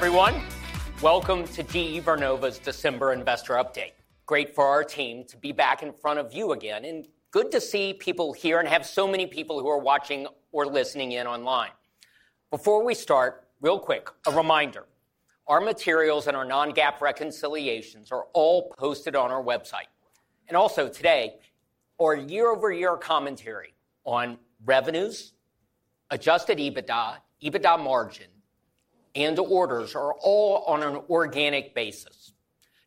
Hello, everyone. Welcome to GE Vernova's December Investor Update. Great for our team to be back in front of you again, and good to see people here and have so many people who are watching or listening in online. Before we start, real quick, a reminder: our materials and our Non-GAAP reconciliations are all posted on our website. And also, today, our year-over-year commentary on revenues, Adjusted EBITDA, EBITDA margin, and orders are all on an organic basis.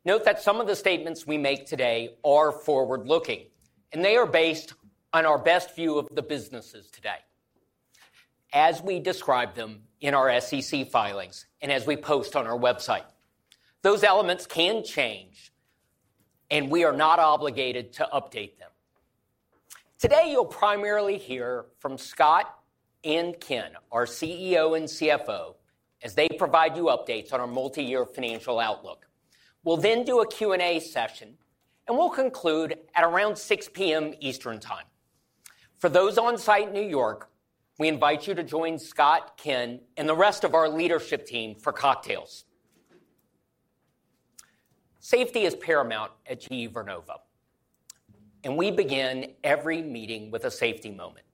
Note that some of the statements we make today are forward-looking, and they are based on our best view of the businesses today, as we describe them in our SEC filings and as we post on our website. Those elements can change, and we are not obligated to update them. Today, you'll primarily hear from Scott and Ken, our CEO and CFO, as they provide you updates on our multi-year financial outlook. We'll then do a Q&A session, and we'll conclude at around 6:00 P.M. Eastern Time. For those on site in New York, we invite you to join Scott, Ken, and the rest of our leadership team for cocktails. Safety is paramount at GE Vernova, and we begin every meeting with a safety moment.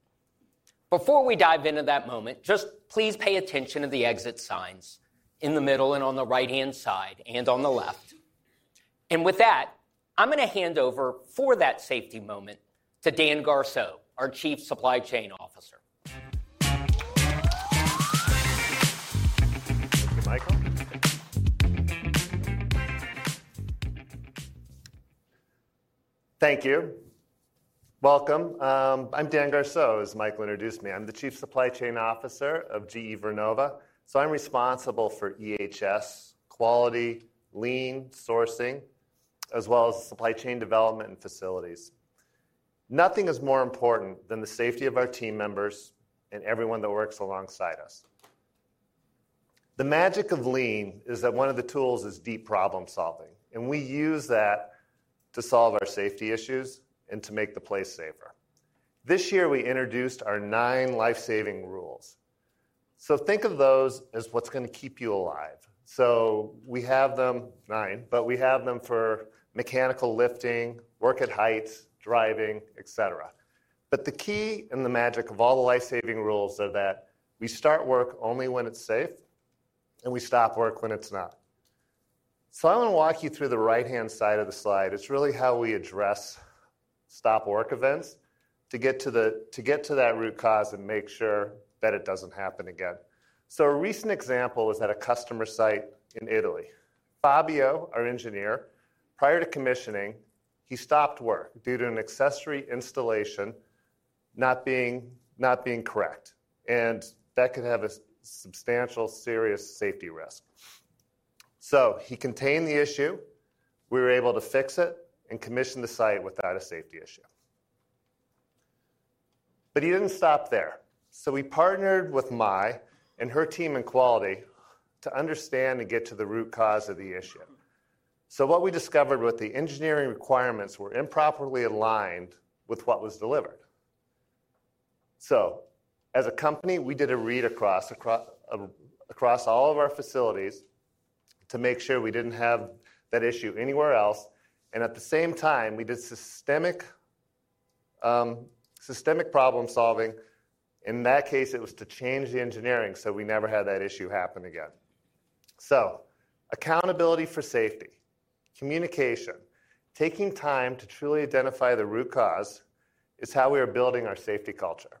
Before we dive into that moment, just please pay attention to the exit signs in the middle and on the right-hand side and on the left. And with that, I'm going to hand over for that safety moment to Dan Garceau, our Chief Supply Chain Officer. Thank you, Michael. Thank you. Welcome. I'm Dan Garceau, as Michael introduced me. I'm the Chief Supply Chain Officer of GE Vernova. So I'm responsible for EHS, quality, Lean, sourcing, as well as supply chain development and facilities. Nothing is more important than the safety of our team members and everyone that works alongside us. The magic of Lean is that one of the tools is deep problem-solving, and we use that to solve our safety issues and to make the place safer. This year, we introduced our nine Life Saving Rules. So think of those as what's going to keep you alive. So we have them nine, but we have them for mechanical lifting, work at heights, driving, et cetera. But the key and the magic of all the Life Saving Rules are that we start work only when it's safe, and we stop work when it's not. I want to walk you through the right-hand side of the slide. It's really how we address stop-work events to get to that root cause and make sure that it doesn't happen again. A recent example is at a customer site in Italy. Fabio, our engineer, prior to commissioning, he stopped work due to an accessory installation not being correct, and that could have a substantial, serious safety risk. He contained the issue. We were able to fix it and commission the site without a safety issue. He didn't stop there. We partnered with my and her team in quality to understand and get to the root cause of the issue. What we discovered was the engineering requirements were improperly aligned with what was delivered. So as a company, we did a read across all of our facilities to make sure we didn't have that issue anywhere else. And at the same time, we did systemic problem-solving. In that case, it was to change the engineering so we never had that issue happen again. So accountability for safety, communication, taking time to truly identify the root cause is how we are building our safety culture.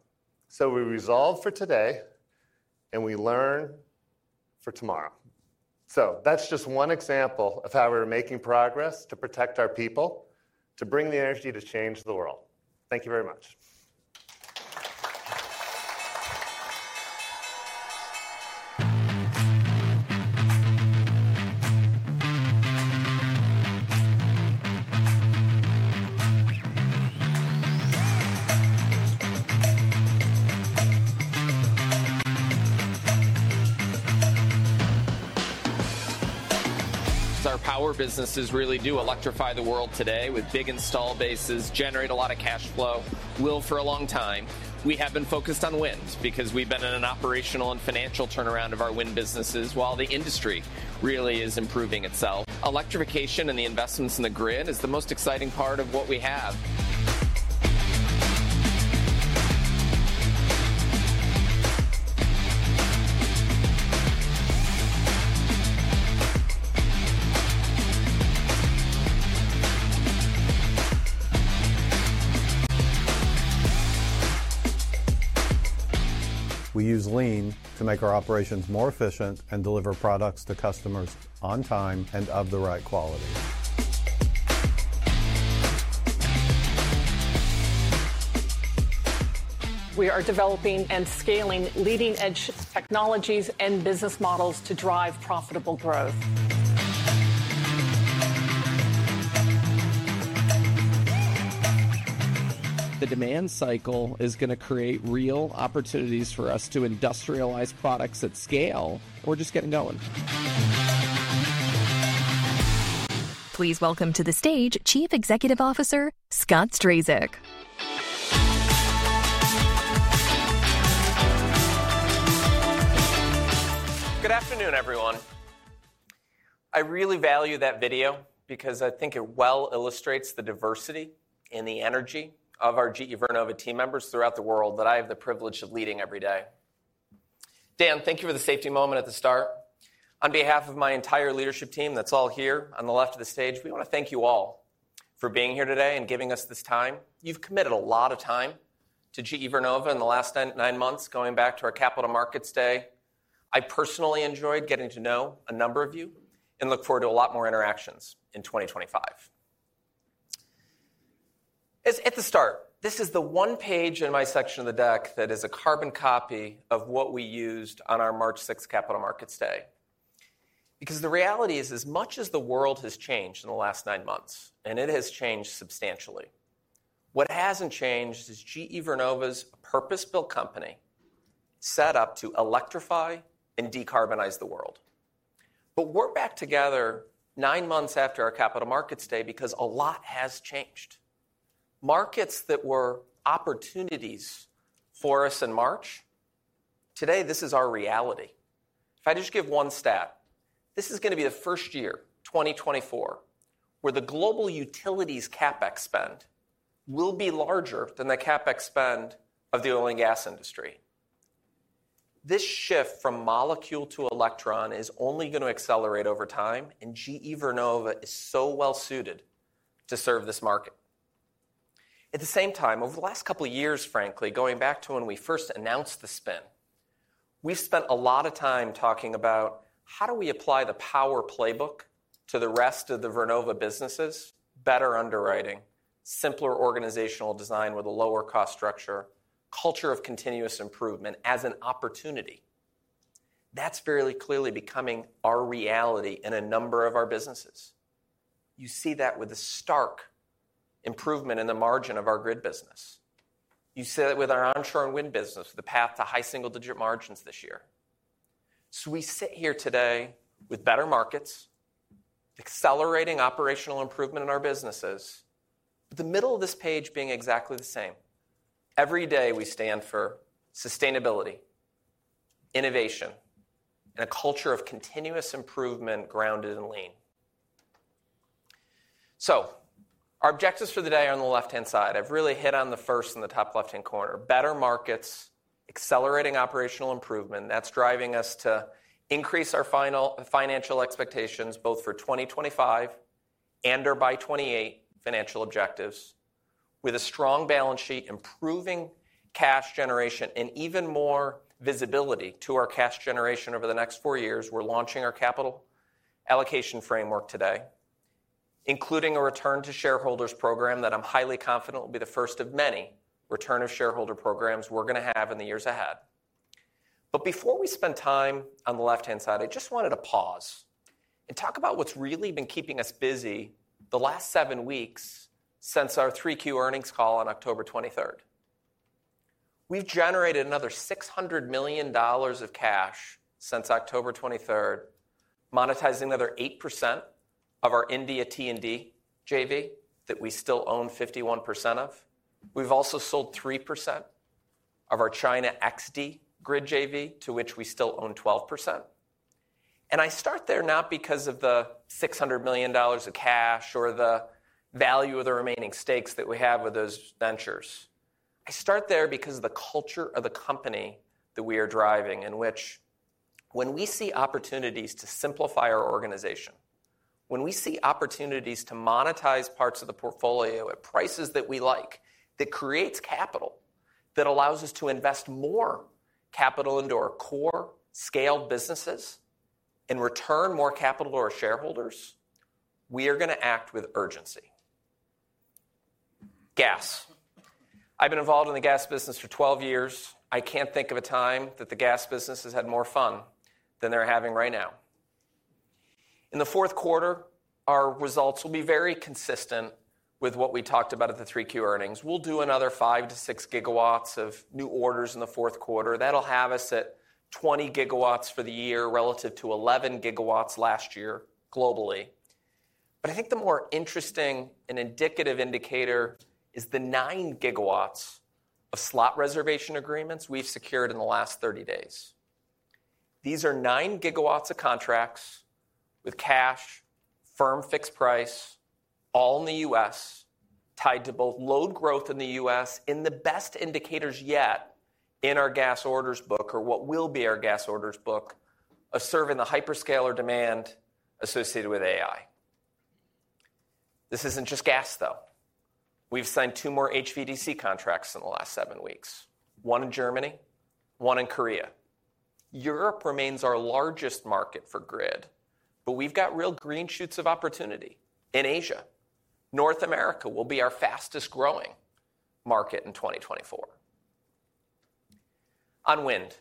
So we resolve for today, and we learn for tomorrow. So that's just one example of how we're making progress to protect our people, to bring the energy to change the world. Thank you very much. Our power businesses really do electrify the world today with big installed bases, generate a lot of cash flow, will for a long time. We have been focused on wind because we've been in an operational and financial turnaround of our wind businesses while the industry really is improving itself. Electrification and the investments in the grid is the most exciting part of what we have. We use Lean to make our operations more efficient and deliver products to customers on time and of the right quality. We are developing and scaling leading-edge technologies and business models to drive profitable growth. The demand cycle is going to create real opportunities for us to industrialize products at scale. We're just getting going. Please welcome to the stage Chief Executive Officer Scott Strazik. Good afternoon, everyone. I really value that video because I think it well illustrates the diversity and the energy of our GE Vernova team members throughout the world that I have the privilege of leading every day. Dan, thank you for the safety moment at the start. On behalf of my entire leadership team that's all here on the left of the stage, we want to thank you all for being here today and giving us this time. You've committed a lot of time to GE Vernova in the last nine months, going back to our Capital Markets Day. I personally enjoyed getting to know a number of you and look forward to a lot more interactions in 2025. At the start, this is the one page in my section of the deck that is a carbon copy of what we used on our March 6th Capital Markets Day. Because the reality is, as much as the world has changed in the last nine months, and it has changed substantially, what hasn't changed is GE Vernova's purpose-built company set up to electrify and decarbonize the world. But we're back together nine months after our Capital Markets Day because a lot has changed. Markets that were opportunities for us in March. Today this is our reality. If I just give one stat, this is going to be the first year, 2024, where the global utilities' CapEx spend will be larger than the CapEx spend of the oil and gas industry. This shift from molecule to electron is only going to accelerate over time, and GE Vernova is so well-suited to serve this market. At the same time, over the last couple of years, frankly, going back to when we first announced the spin, we've spent a lot of time talking about how do we apply the power playbook to the rest of the Vernova businesses: better underwriting, simpler organizational design with a lower-cost structure, culture of continuous improvement as an opportunity. That's fairly clearly becoming our reality in a number of our businesses. You see that with the stark improvement in the margin of our grid business. You see that with our onshore and wind business, the path to high single-digit margins this year. So we sit here today with better markets, accelerating operational improvement in our businesses, but the middle of this page being exactly the same. Every day, we stand for sustainability, innovation, and a culture of continuous improvement grounded in Lean. So our objectives for the day are on the left-hand side. I've really hit on the first in the top left-hand corner: better markets, accelerating operational improvement. That's driving us to increase our financial expectations both for 2025 and our 2028 financial objectives with a strong balance sheet, improving cash generation, and even more visibility to our cash generation over the next four years. We're launching our capital allocation framework today, including a return-to-shareholders program that I'm highly confident will be the first of many return-to-shareholder programs we're going to have in the years ahead. But before we spend time on the left-hand side, I just wanted to pause and talk about what's really been keeping us busy the last seven weeks since our Q3 earnings call on October 23rd. We've generated another $600 million of cash since October 23rd, monetizing another 8% of our India T&D JV that we still own 51% of. We've also sold 3% of our China XD Grid JV, to which we still own 12%. And I start there not because of the $600 million of cash or the value of the remaining stakes that we have with those ventures. I start there because of the culture of the company that we are driving, in which when we see opportunities to simplify our organization, when we see opportunities to monetize parts of the portfolio at prices that we like, that creates capital, that allows us to invest more capital into our core scaled businesses and return more capital to our shareholders, we are going to act with urgency. Gas. I've been involved in the gas business for 12 years. I can't think of a time that the gas business has had more fun than they're having right now. In the Q4, our results will be very consistent with what we talked about at the Q3 earnings. We'll do another five to six gigawatts of new orders in the Q4. That'll have us at 20 gigawatts for the year relative to 11 gigawatts last year globally. But I think the more interesting and indicative indicator is the nine gigawatts of slot reservation agreements we've secured in the last 30 days. These are nine gigawatts of contracts with cash, firm fixed price, all in the US, tied to both load growth in the US and the best indicators yet in our gas orders book, or what will be our gas orders book, of serving the hyperscaler demand associated with AI. This isn't just gas, though. We've signed two more HVDC contracts in the last seven weeks, one in Germany, one in Korea. Europe remains our largest market for grid, but we've got real green shoots of opportunity in Asia. North America will be our fastest-growing market in 2024. On wind.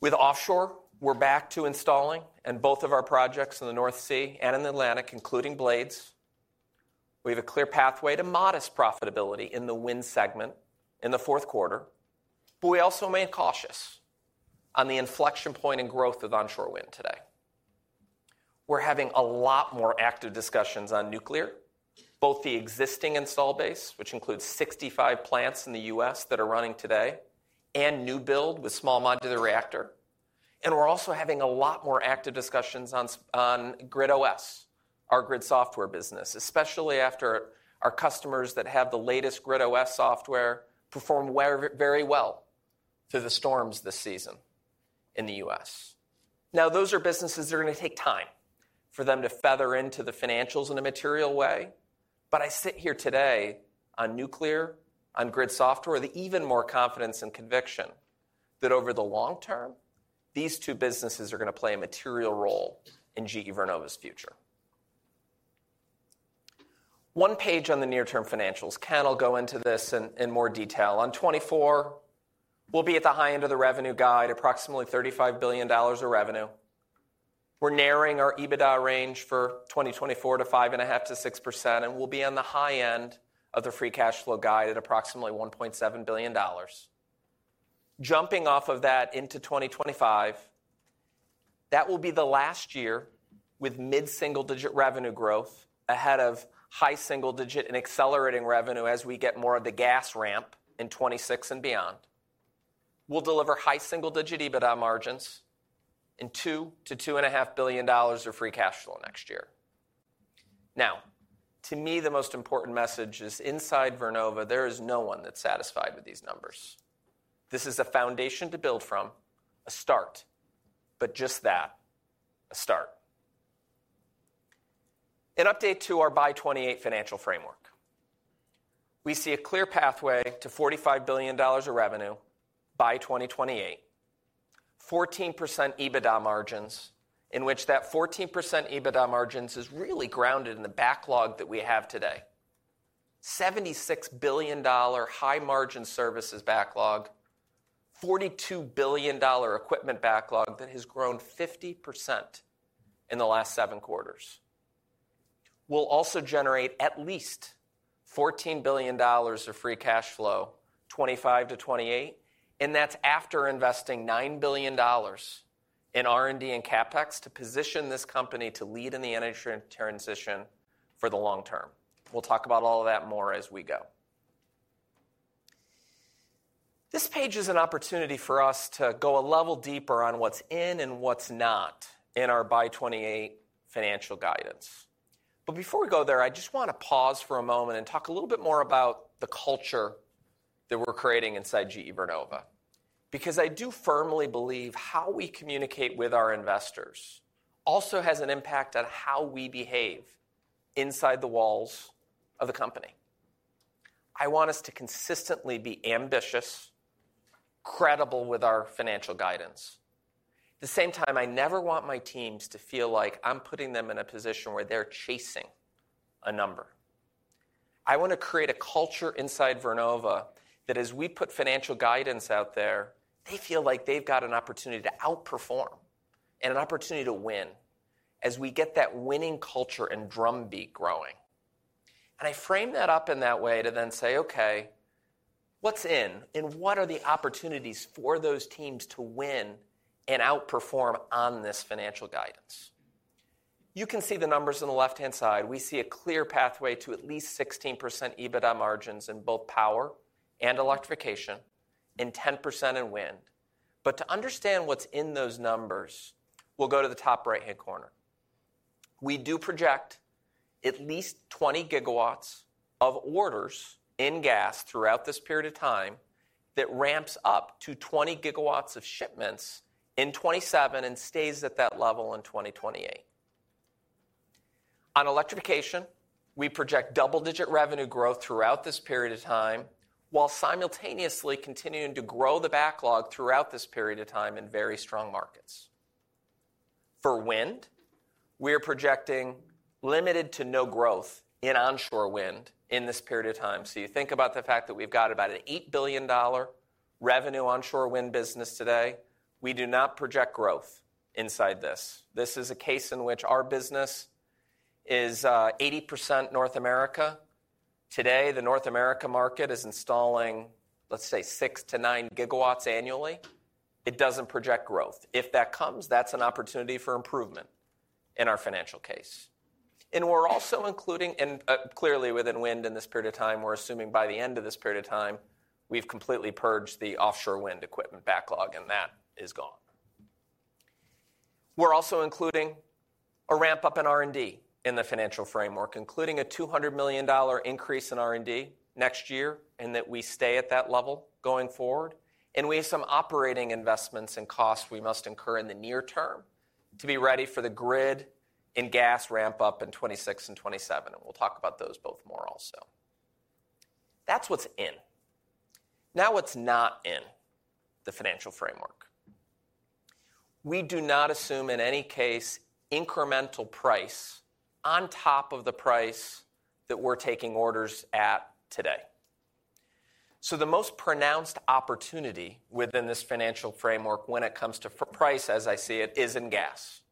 With offshore, we're back to installing in both of our projects in the North Sea and in the Atlantic, including blades. We have a clear pathway to modest profitability in the wind segment in the Q4, but we also remain cautious on the inflection point in growth of onshore wind today. We're having a lot more active discussions on nuclear, both the existing install base, which includes 65 plants in the U.S. that are running today, and new build with small modular reactor. And we're also having a lot more active discussions on GridOS, our grid software business, especially after our customers that have the latest GridOS software performed very well through the storms this season in the US. Now, those are businesses that are going to take time for them to feather into the financials in a material way. But I sit here today on nuclear, on grid software, with even more confidence and conviction that over the long term, these two businesses are going to play a material role in GE Vernova's future. One page on the near-term financials. Ken will go into this in more detail. On 2024, we'll be at the high end of the revenue guide, approximately $35 billion of revenue. We're narrowing our EBITDA range for 2024 to 5.5%-6%, and we'll be on the high end of the free cash flow guide at approximately $1.7 billion. Jumping off of that into 2025, that will be the last year with mid-single-digit revenue growth ahead of high single-digit and accelerating revenue as we get more of the gas ramp in 2026 and beyond. We'll deliver high single-digit EBITDA margins and $2-$2.5 billion of free cash flow next year. Now, to me, the most important message is inside Vernova, there is no one that's satisfied with these numbers. This is a foundation to build from, a start, but just that, a start. An update to our by-2028 financial framework. We see a clear pathway to $45 billion of revenue by 2028, 14% EBITDA margins, in which that 14% EBITDA margins is really grounded in the backlog that we have today, $76 billion high-margin services backlog, $42 billion equipment backlog that has grown 50% in the last seven quarters. We'll also generate at least $14 billion of free cash flow 2025 to 2028, and that's after investing $9 billion in R&D and CapEx to position this company to lead in the energy transition for the long term. We'll talk about all of that more as we go. This page is an opportunity for us to go a level deeper on what's in and what's not in our by-2028 financial guidance. But before we go there, I just want to pause for a moment and talk a little bit more about the culture that we're creating inside GE Vernova, because I do firmly believe how we communicate with our investors also has an impact on how we behave inside the walls of the company. I want us to consistently be ambitious, credible with our financial guidance. At the same time, I never want my teams to feel like I'm putting them in a position where they're chasing a number. I want to create a culture inside Vernova that as we put financial guidance out there, they feel like they've got an opportunity to outperform and an opportunity to win as we get that winning culture and drumbeat growing. And I frame that up in that way to then say, "Okay, what's in and what are the opportunities for those teams to win and outperform on this financial guidance?" You can see the numbers on the left-hand side. We see a clear pathway to at least 16% EBITDA margins in both power and electrification and 10% in wind. But to understand what's in those numbers, we'll go to the top right-hand corner. We do project at least 20 gigawatts of orders in gas throughout this period of time that ramps up to 20 gigawatts of shipments in 2027 and stays at that level in 2028. On electrification, we project double-digit revenue growth throughout this period of time while simultaneously continuing to grow the backlog throughout this period of time in very strong markets. For wind, we are projecting limited to no growth in onshore wind in this period of time, so you think about the fact that we've got about an $8 billion revenue onshore wind business today. We do not project growth inside this. This is a case in which our business is 80% North America. Today, the North America market is installing, let's say, 6 to 9 gigawatts annually. It doesn't project growth. If that comes, that's an opportunity for improvement in our financial case, and we're also including, and clearly within wind in this period of time, we're assuming by the end of this period of time, we've completely purged the offshore wind equipment backlog, and that is gone. We're also including a ramp-up in R&D in the financial framework, including a $200 million increase in R&D next year and that we stay at that level going forward. And we have some operating investments and costs we must incur in the near term to be ready for the grid and gas ramp-up in 2026 and 2027, and we'll talk about those both more also. That's what's in. Now, what's not in the financial framework? We do not assume in any case incremental price on top of the price that we're taking orders at today. So the most pronounced opportunity within this financial framework when it comes to price, as I see it, is in gas.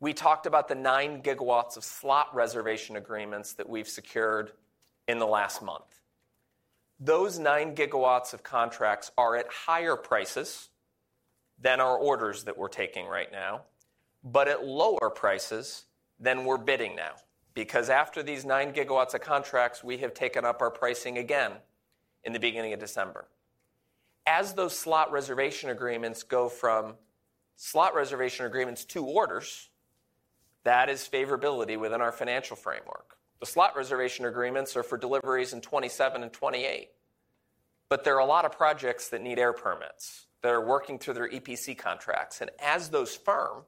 We talked about the 9 gigawatts of slot reservation agreements that we've secured in the last month. Those 9 gigawatts of contracts are at higher prices than our orders that we're taking right now, but at lower prices than we're bidding now, because after these 9 gigawatts of contracts, we have taken up our pricing again in the beginning of December. As those slot reservation agreements go from slot reservation agreements to orders, that is favorability within our financial framework. The slot reservation agreements are for deliveries in 2027 and 2028, but there are a lot of projects that need air permits that are working through their EPC contracts. And as those firm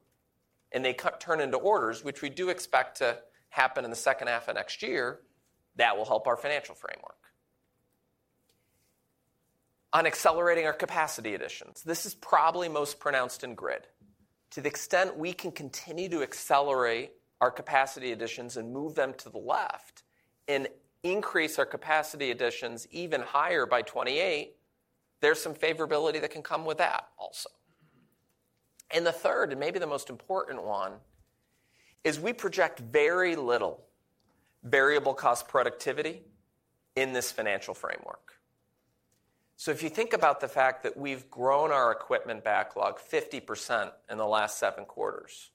and they turn into orders, which we do expect to happen in the second half of next year, that will help our financial framework. On accelerating our capacity additions, this is probably most pronounced in grid. To the extent we can continue to accelerate our capacity additions and move them to the left and increase our capacity additions even higher by 2028, there's some favorability that can come with that also. And the third, and maybe the most important one, is we project very little variable cost productivity in this financial framework. So if you think about the fact that we've grown our equipment backlog 50% in the last seven quarters,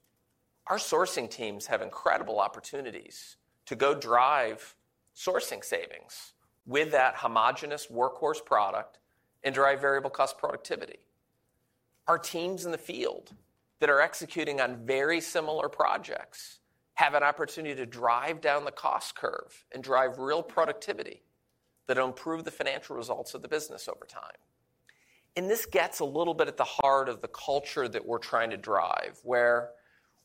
our sourcing teams have incredible opportunities to go drive sourcing savings with that homogenous workhorse product and drive variable cost productivity. Our teams in the field that are executing on very similar projects have an opportunity to drive down the cost curve and drive real productivity that will improve the financial results of the business over time. And this gets a little bit at the heart of the culture that we're trying to drive, where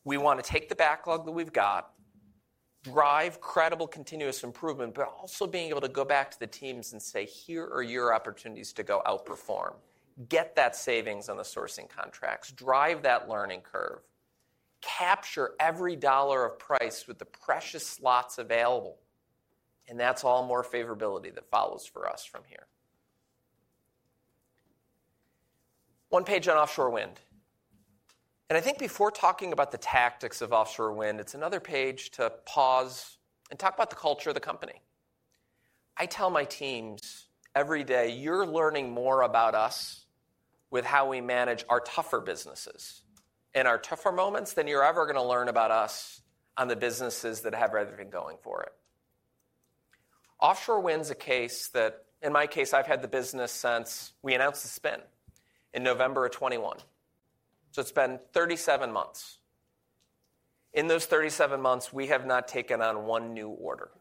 we want to take the backlog that we've got, drive credible continuous improvement, but also being able to go back to the teams and say, "Here are your opportunities to go outperform. Get that savings on the sourcing contracts, drive that learning curve, capture every dollar of price with the precious slots available," and that's all more favorability that follows for us from here. One page on offshore wind, and I think before talking about the tactics of offshore wind, it's another page to pause and talk about the culture of the company. I tell my teams every day, "You're learning more about us with how we manage our tougher businesses. In our tougher moments, than you're ever going to learn about us on the businesses that have everything going for it." Offshore wind's a case that, in my case, I've had the business since we announced the spin in November of 2021. So it's been 37 months. In those 37 months, we have not taken on one new order.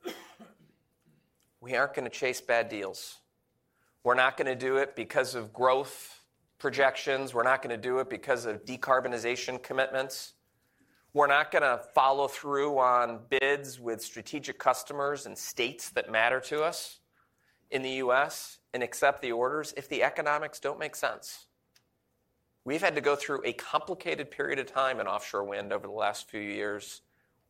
We aren't going to chase bad deals. We're not going to do it because of growth projections. We're not going to do it because of decarbonization commitments. We're not going to follow through on bids with strategic customers and states that matter to us in the U.S. and accept the orders if the economics don't make sense. We've had to go through a complicated period of time in offshore wind over the last few years,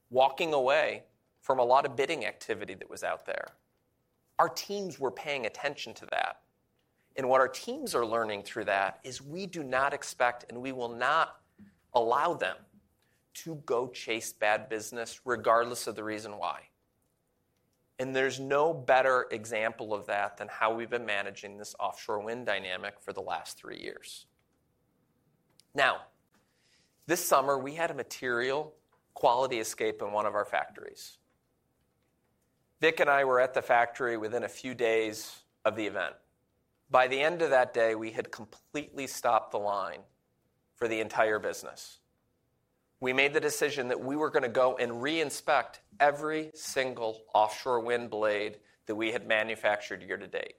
walking away from a lot of bidding activity that was out there. Our teams were paying attention to that. And what our teams are learning through that is we do not expect and we will not allow them to go chase bad business regardless of the reason why. And there's no better example of that than how we've been managing this offshore wind dynamic for the last three years. Now, this summer, we had a material quality escape in one of our factories. Vic and I were at the factory within a few days of the event. By the end of that day, we had completely stopped the line for the entire business. We made the decision that we were going to go and reinspect every single offshore wind blade that we had manufactured year to date.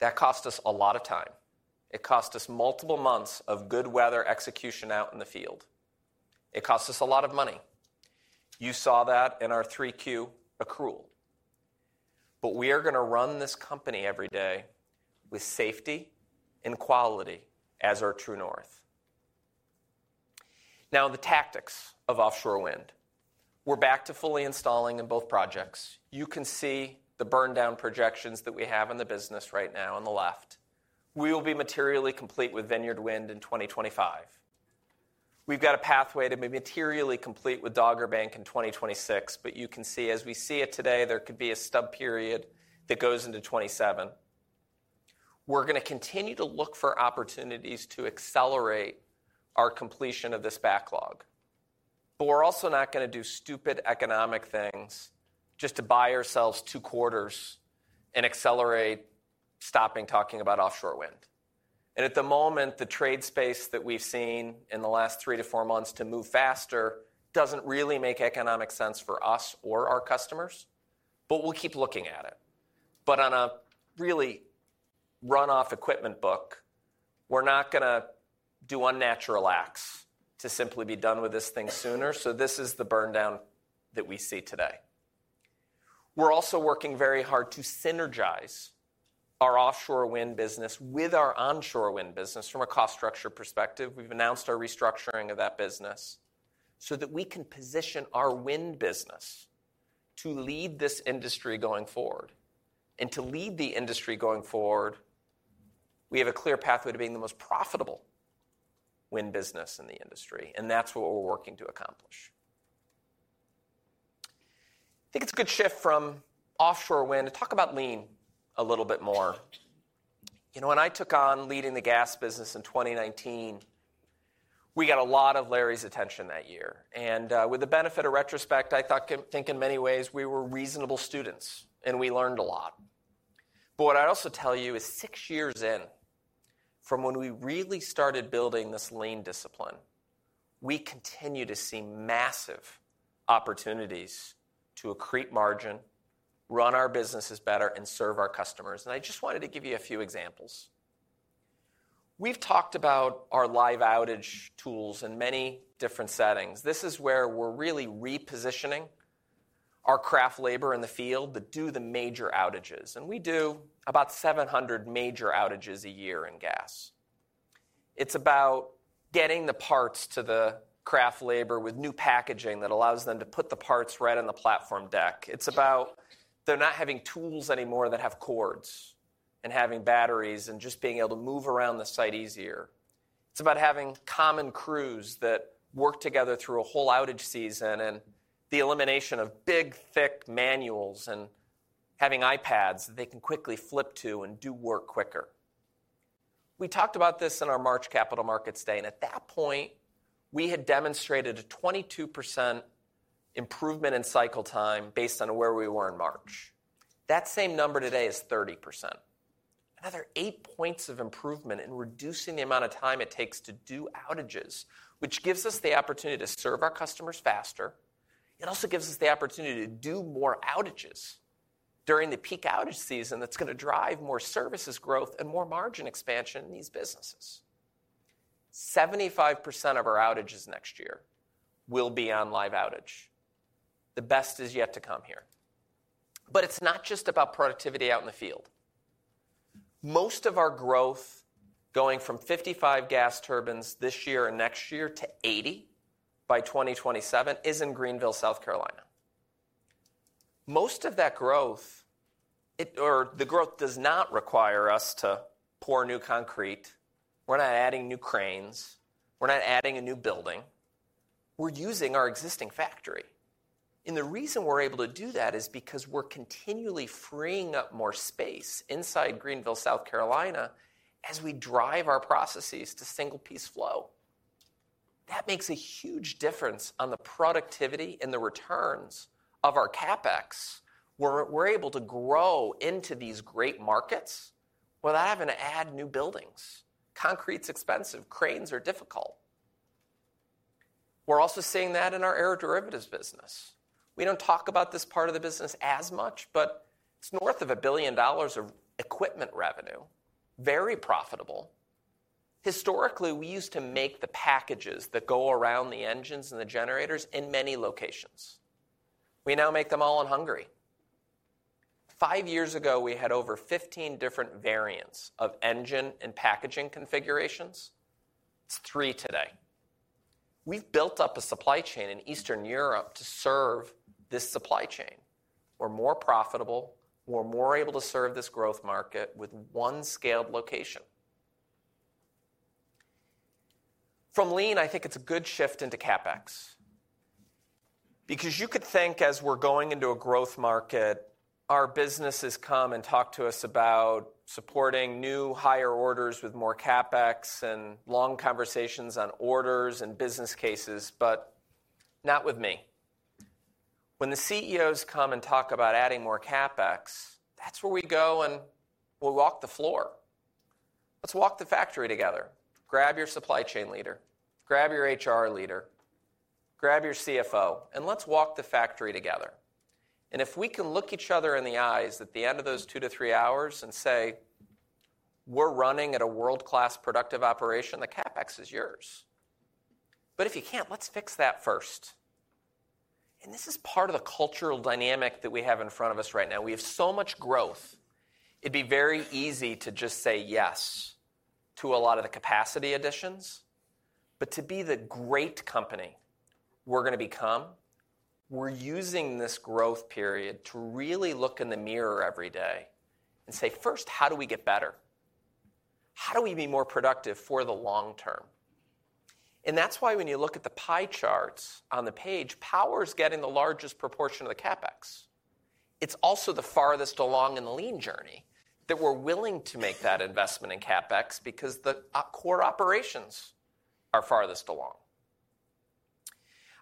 That cost us a lot of time. It cost us multiple months of good weather execution out in the field. It cost us a lot of money. You saw that in our 3Q accrual. But we are going to run this company every day with safety and quality as our true north. Now, the tactics of offshore wind. We're back to fully installing in both projects. You can see the burndown projections that we have in the business right now on the left. We will be materially complete with Vineyard Wind in 2025. We've got a pathway to be materially complete with Dogger Bank in 2026, but you can see as we see it today, there could be a stub period that goes into 2027. We're going to continue to look for opportunities to accelerate our completion of this backlog. But we're also not going to do stupid economic things just to buy ourselves two quarters and accelerate stopping talking about offshore wind. And at the moment, the trade space that we've seen in the last three to four months to move faster doesn't really make economic sense for us or our customers, but we'll keep looking at it. But on a really run-off equipment book, we're not going to do unnatural acts to simply be done with this thing sooner. So this is the burndown that we see today. We're also working very hard to synergize our offshore wind business with our onshore wind business from a cost structure perspective. We've announced our restructuring of that business so that we can position our wind business to lead this industry going forward. And to lead the industry going forward, we have a clear pathway to being the most profitable wind business in the industry, and that's what we're working to accomplish. I think it's a good shift from offshore wind. Talk about Lean a little bit more. You know, when I took on leading the gas business in 2019, we got a lot of Larry's attention that year. With the benefit of hindsight, I think in many ways we were reasonable students and we learned a lot. What I'd also tell you is six years in from when we really started building this Lean discipline, we continue to see massive opportunities to accrete margin, run our businesses better, and serve our customers. I just wanted to give you a few examples. We've talked about our Live Outage tools in many different settings. This is where we're really repositioning our craft labor in the field that do the major outages. We do about 700 major outages a year in gas. It's about getting the parts to the craft labor with new packaging that allows them to put the parts right on the platform deck. It's about they're not having tools anymore that have cords and having batteries and just being able to move around the site easier. It's about having common crews that work together through a whole outage season and the elimination of big, thick manuals and having iPads that they can quickly flip to and do work quicker. We talked about this in our March Capital Markets Day, and at that point, we had demonstrated a 22% improvement in cycle time based on where we were in March. That same number today is 30%. Another eight points of improvement in reducing the amount of time it takes to do outages, which gives us the opportunity to serve our customers faster. It also gives us the opportunity to do more outages during the peak outage season that's going to drive more services growth and more margin expansion in these businesses. 75% of our outages next year will be on Live Outage. The best is yet to come here. But it's not just about productivity out in the field. Most of our growth going from 55 gas turbines this year and next year to 80 by 2027 is in Greenville, South Carolina. Most of that growth, or the growth, does not require us to pour new concrete. We're not adding new cranes. We're not adding a new building. We're using our existing factory. And the reason we're able to do that is because we're continually freeing up more space inside Greenville, South Carolina, as we drive our processes to single-piece flow. That makes a huge difference on the productivity and the returns of our CapEx, where we're able to grow into these great markets without having to add new buildings. Concrete's expensive. Cranes are difficult. We're also seeing that in our aeroderivatives business. We don't talk about this part of the business as much, but it's north of $1 billion of equipment revenue, very profitable. Historically, we used to make the packages that go around the engines and the generators in many locations. We now make them all in Hungary. Five years ago, we had over 15 different variants of engine and packaging configurations. It's three today. We've built up a supply chain in Eastern Europe to serve this supply chain. We're more profitable. We're more able to serve this growth market with one scaled location. From Lean, I think it's a good shift into CapEx, because you could think as we're going into a growth market, our businesses come and talk to us about supporting new higher orders with more CapEx and long conversations on orders and business cases, but not with me. When the CEOs come and talk about adding more CapEx, that's where we go and we'll walk the floor. Let's walk the factory together. Grab your supply chain leader. Grab your HR leader. Grab your CFO. And let's walk the factory together. And if we can look each other in the eyes at the end of those two to three hours and say, "We're running at a world-class productive operation, the CapEx is yours. But if you can't, let's fix that first." And this is part of the cultural dynamic that we have in front of us right now. We have so much growth. It'd be very easy to just say yes to a lot of the capacity additions, but to be the great company we're going to become, we're using this growth period to really look in the mirror every day and say, "First, how do we get better? How do we be more productive for the long term," and that's why when you look at the pie charts on the page, power is getting the largest proportion of the CapEx. It's also the farthest along in the Lean journey that we're willing to make that investment in CapEx because the core operations are farthest along.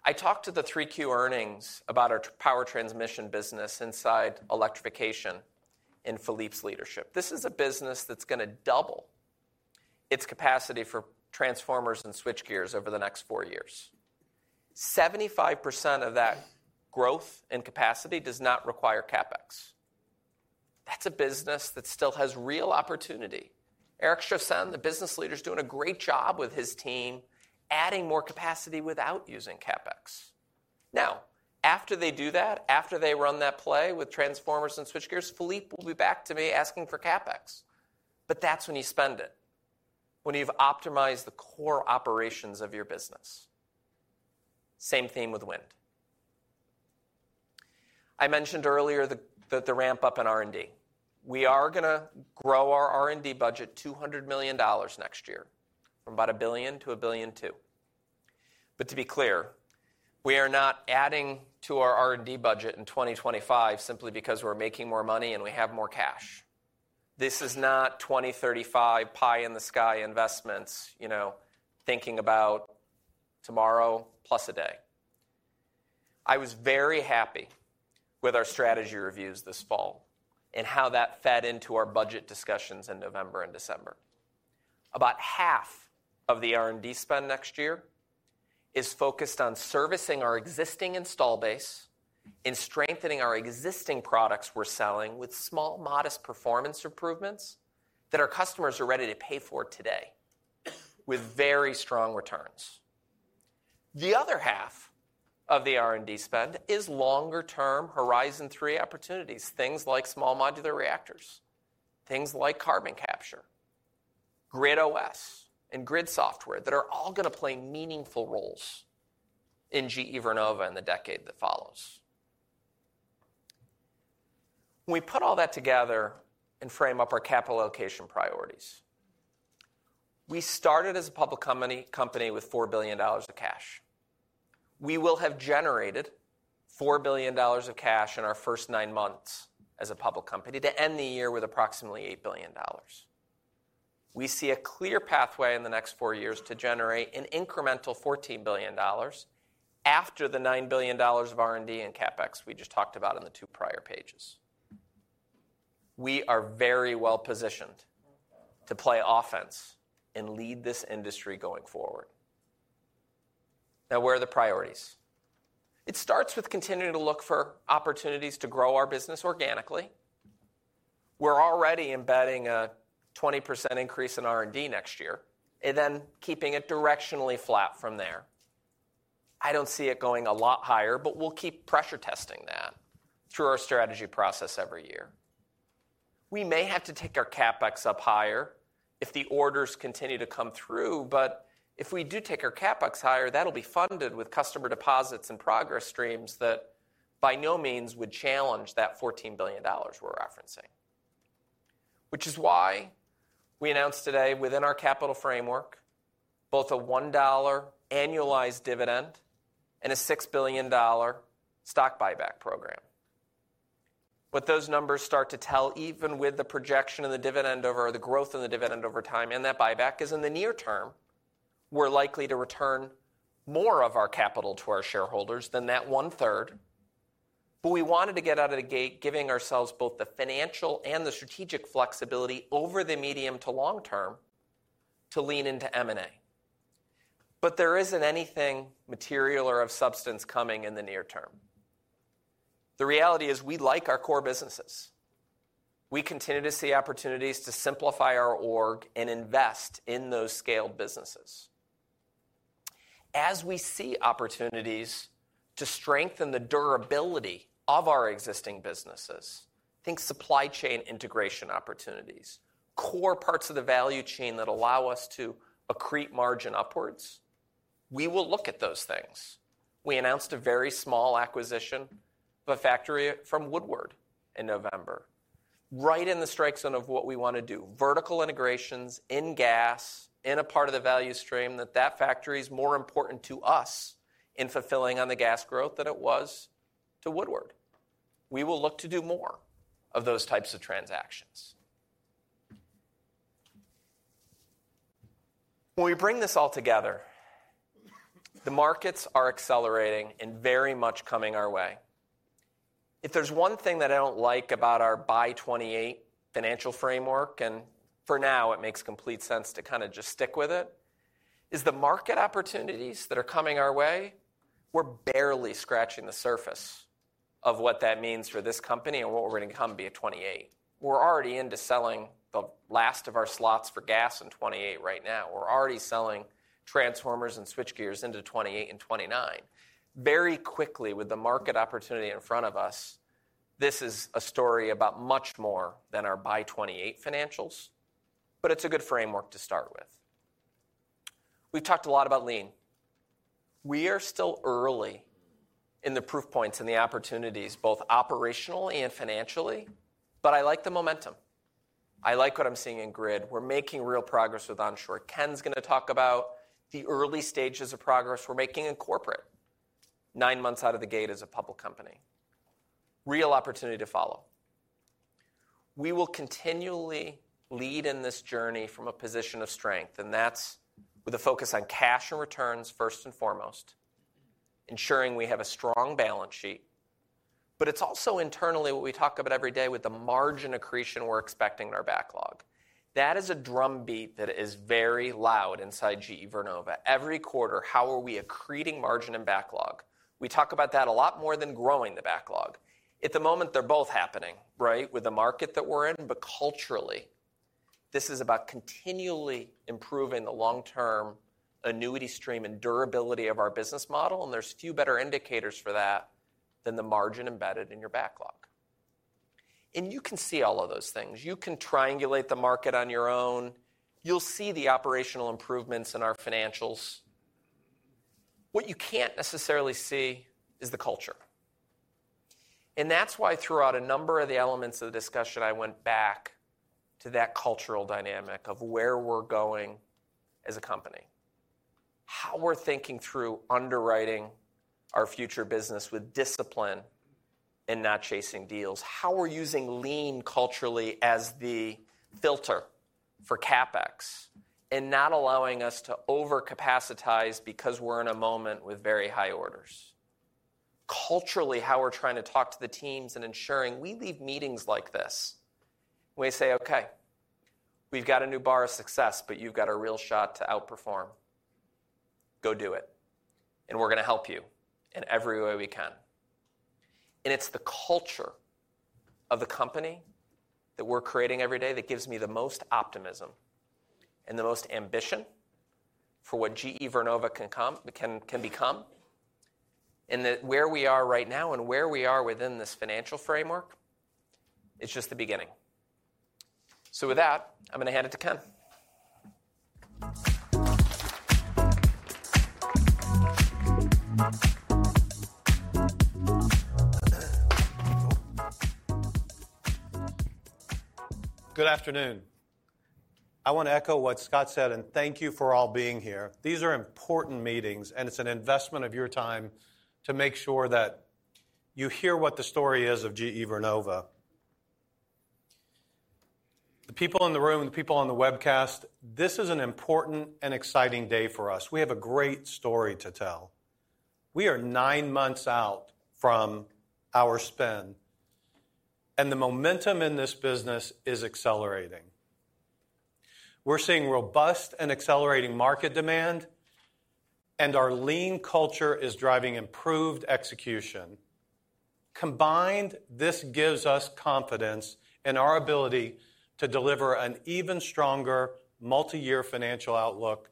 I talked in the 3Q earnings about our power transmission business inside electrification in Philippe's leadership. This is a business that's going to double its capacity for transformers and switchgears over the next four years. 75% of that growth and capacity does not require CapEx. That's a business that still has real opportunity. Eric Chaussin, the business leader, is doing a great job with his team, adding more capacity without using CapEx. Now, after they do that, after they run that play with transformers and switchgears, Philippe will be back to me asking for CapEx. But that's when you spend it, when you've optimized the core operations of your business. Same theme with wind. I mentioned earlier the ramp-up in R&D. We are going to grow our R&D budget $200 million next year from about $1 billion to $1.2 billion. But to be clear, we are not adding to our R&D budget in 2025 simply because we're making more money and we have more cash. This is not 2035 pie-in-the-sky investments, thinking about tomorrow plus a day. I was very happy with our strategy reviews this fall and how that fed into our budget discussions in November and December. About half of the R&D spend next year is focused on servicing our existing installed base and strengthening our existing products we're selling with small, modest performance improvements that our customers are ready to pay for today with very strong returns. The other half of the R&D spend is longer-term Horizon 3 opportunities, things like small modular reactors, things like carbon capture, GridOS, and grid software that are all going to play meaningful roles in GE Vernova in the decade that follows. When we put all that together and frame up our capital allocation priorities, we started as a public company with $4 billion of cash. We will have generated $4 billion of cash in our first nine months as a public company to end the year with approximately $8 billion. We see a clear pathway in the next four years to generate an incremental $14 billion after the $9 billion of R&D and CapEx we just talked about in the two prior pages. We are very well positioned to play offense and lead this industry going forward. Now, where are the priorities? It starts with continuing to look for opportunities to grow our business organically. We're already embedding a 20% increase in R&D next year and then keeping it directionally flat from there. I don't see it going a lot higher, but we'll keep pressure testing that through our strategy process every year. We may have to take our CapEx up higher if the orders continue to come through, but if we do take our CapEx higher, that'll be funded with customer deposits and progress streams that by no means would challenge that $14 billion we're referencing, which is why we announced today within our capital framework both a $1 annualized dividend and a $6 billion stock buyback program. But those numbers start to tell even with the projection of the dividend over the growth of the dividend over time and that buyback is in the near term, we're likely to return more of our capital to our shareholders than that one-third. But we wanted to get out of the gate giving ourselves both the financial and the strategic flexibility over the medium to long term to Lean into M&A. But there isn't anything material or of substance coming in the near term. The reality is we like our core businesses. We continue to see opportunities to simplify our org and invest in those scaled businesses. As we see opportunities to strengthen the durability of our existing businesses, think supply chain integration opportunities, core parts of the value chain that allow us to accrete margin upwards, we will look at those things. We announced a very small acquisition of a factory from Woodward in November, right in the strike zone of what we want to do: vertical integrations in gas in a part of the value stream that that factory is more important to us in fulfilling on the gas growth than it was to Woodward. We will look to do more of those types of transactions. When we bring this all together, the markets are accelerating and very much coming our way. If there's one thing that I don't like about our by 2028 financial framework, and for now, it makes complete sense to kind of just stick with it, is the market opportunities that are coming our way. We're barely scratching the surface of what that means for this company and what we're going to become by 2028. We're already into selling the last of our slots for gas in 2028 right now. We're already selling transformers and switchgears into 2028 and 2029. Very quickly, with the market opportunity in front of us, this is a story about much more than our by 2028 financials, but it's a good framework to start with. We've talked a lot about Lean. We are still early in the proof points and the opportunities, both operationally and financially, but I like the momentum. I like what I'm seeing in grid. We're making real progress with onshore. Ken's going to talk about the early stages of progress we're making in our first nine months out of the gate as a public company. Real opportunity to follow. We will continually lead in this journey from a position of strength, and that's with a focus on cash and returns first and foremost, ensuring we have a strong balance sheet. But it's also internally what we talk about every day with the margin accretion we're expecting in our backlog. That is a drumbeat that is very loud inside GE Vernova. Every quarter, how are we accreting margin and backlog? We talk about that a lot more than growing the backlog. At the moment, they're both happening, right, with the market that we're in. But culturally, this is about continually improving the long-term annuity stream and durability of our business model. And there's few better indicators for that than the margin embedded in your backlog. And you can see all of those things. You can triangulate the market on your own. You'll see the operational improvements in our financials. What you can't necessarily see is the culture. And that's why throughout a number of the elements of the discussion, I went back to that cultural dynamic of where we're going as a company, how we're thinking through underwriting our future business with discipline and not chasing deals, how we're using Lean culturally as the filter for CapEx and not allowing us to overcapacitize because we're in a moment with very high orders. Culturally, how we're trying to talk to the teams and ensuring we leave meetings like this when we say, "Okay, we've got a new bar of success, but you've got a real shot to outperform. Go do it. And we're going to help you in every way we can," and it's the culture of the company that we're creating every day that gives me the most optimism and the most ambition for what GE Vernova can become, and where we are right now and where we are within this financial framework is just the beginning. With that, I'm going to hand it to Ken. Good afternoon. I want to echo what Scott said, and thank you for all being here. These are important meetings, and it's an investment of your time to make sure that you hear what the story is of GE Vernova. The people in the room, the people on the webcast, this is an important and exciting day for us. We have a great story to tell. We are nine months out from our spin, and the momentum in this business is accelerating. We're seeing robust and accelerating market demand, and our Lean culture is driving improved execution. Combined, this gives us confidence in our ability to deliver an even stronger multi-year financial outlook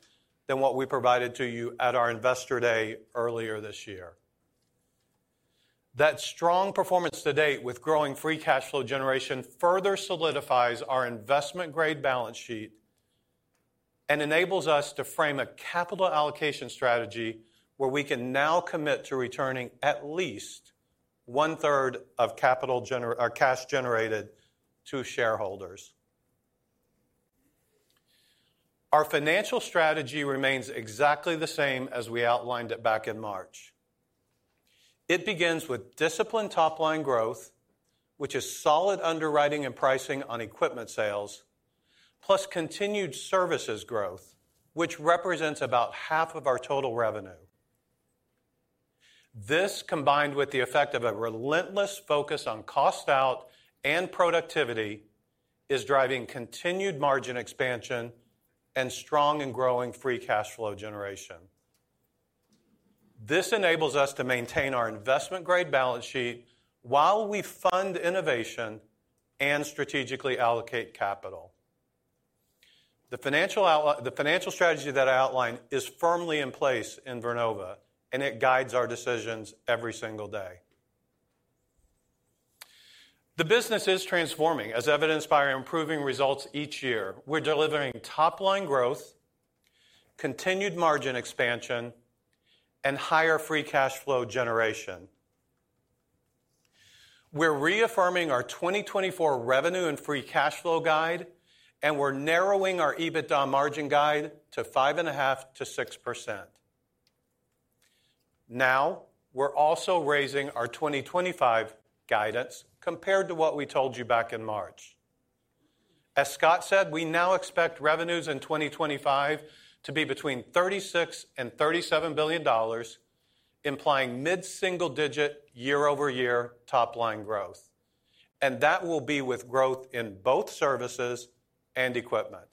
than what we provided to you at our investor day earlier this year. That strong performance to date with growing free cash flow generation further solidifies our investment-grade balance sheet and enables us to frame a capital allocation strategy where we can now commit to returning at least one-third of cash generated to shareholders. Our financial strategy remains exactly the same as we outlined it back in March. It begins with disciplined top-line growth, which is solid underwriting and pricing on equipment sales, plus continued services growth, which represents about half of our total revenue. This, combined with the effect of a relentless focus on cost out and productivity, is driving continued margin expansion and strong and growing free cash flow generation. This enables us to maintain our investment-grade balance sheet while we fund innovation and strategically allocate capital. The financial strategy that I outlined is firmly in place in Vernova, and it guides our decisions every single day. The business is transforming, as evidenced by our improving results each year. We're delivering top-line growth, continued margin expansion, and higher free cash flow generation. We're reaffirming our 2024 revenue and free cash flow guide, and we're narrowing our EBITDA margin guide to 5.5%-6%. Now, we're also raising our 2025 guidance compared to what we told you back in March. As Scott said, we now expect revenues in 2025 to be between $36 and $37 billion, implying mid-single-digit year-over-year top-line growth. And that will be with growth in both services and equipment.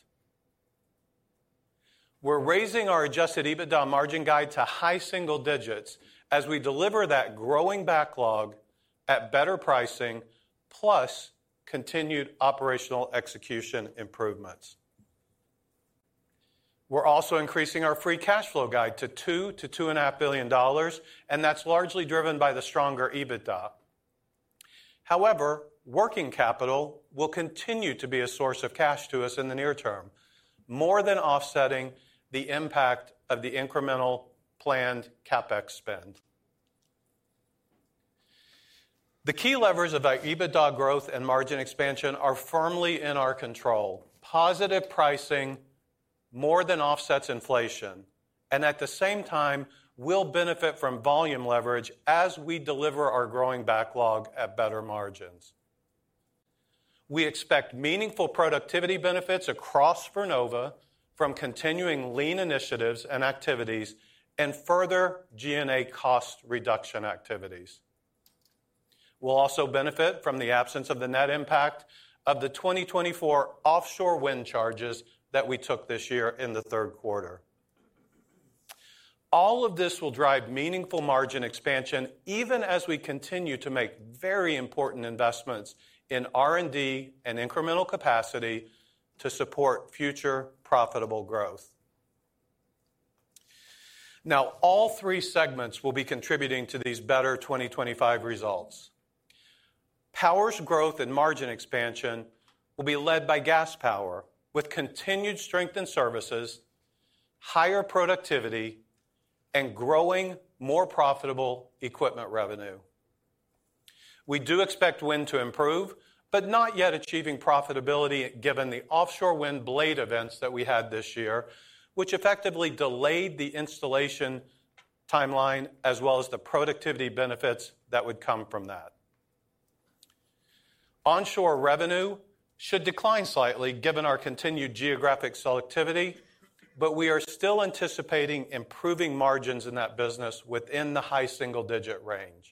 We're raising our Adjusted EBITDA margin guide to high single digits as we deliver that growing backlog at better pricing, plus continued operational execution improvements. We're also increasing our free cash flow guide to $2-$2.5 billion, and that's largely driven by the stronger EBITDA. However, working capital will continue to be a source of cash to us in the near term, more than offsetting the impact of the incremental planned CapEx spend. The key levers of our EBITDA growth and margin expansion are firmly in our control. Positive pricing more than offsets inflation, and at the same time, we'll benefit from volume leverage as we deliver our growing backlog at better margins. We expect meaningful productivity benefits across Vernova from continuing Lean initiatives and activities and further G&A cost reduction activities. We'll also benefit from the absence of the net impact of the 2024 offshore wind charges that we took this year in the Q3. All of this will drive meaningful margin expansion, even as we continue to make very important investments in R&D and incremental capacity to support future profitable growth. Now, all three segments will be contributing to these better 2025 results. Power's growth and margin expansion will be led by Gas Power with continued strength in services, higher productivity, and growing more profitable equipment revenue. We do expect wind to improve, but not yet achieving profitability given the offshore wind blade events that we had this year, which effectively delayed the installation timeline as well as the productivity benefits that would come from that. Onshore revenue should decline slightly given our continued geographic selectivity, but we are still anticipating improving margins in that business within the high single-digit range.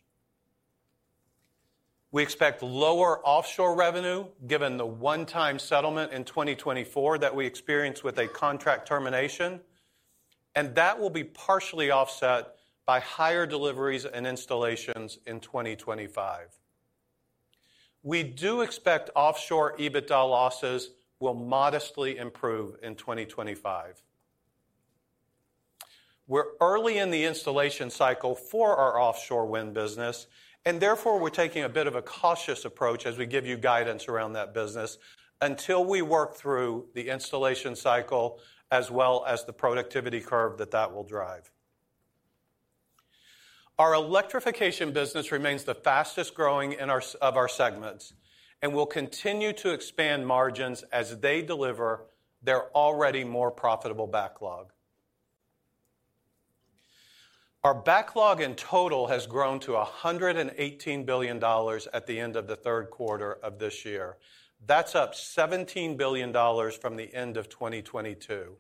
We expect lower offshore revenue given the one-time settlement in 2024 that we experienced with a contract termination, and that will be partially offset by higher deliveries and installations in 2025. We do expect offshore EBITDA losses will modestly improve in 2025. We're early in the installation cycle for our offshore wind business, and therefore, we're taking a bit of a cautious approach as we give you guidance around that business until we work through the installation cycle as well as the productivity curve that that will drive. Our electrification business remains the fastest growing of our segments, and we'll continue to expand margins as they deliver their already more profitable backlog. Our backlog in total has grown to $118 billion at the end of the Q3 of this year. That's up $17 billion from the end of 2022.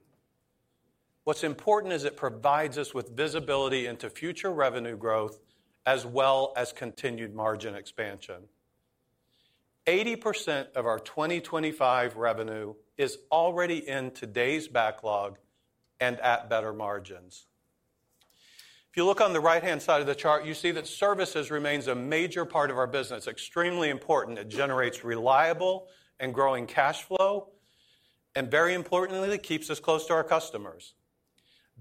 What's important is it provides us with visibility into future revenue growth as well as continued margin expansion. 80% of our 2025 revenue is already in today's backlog and at better margins. If you look on the right-hand side of the chart, you see that services remains a major part of our business, extremely important. It generates reliable and growing cash flow, and very importantly, it keeps us close to our customers.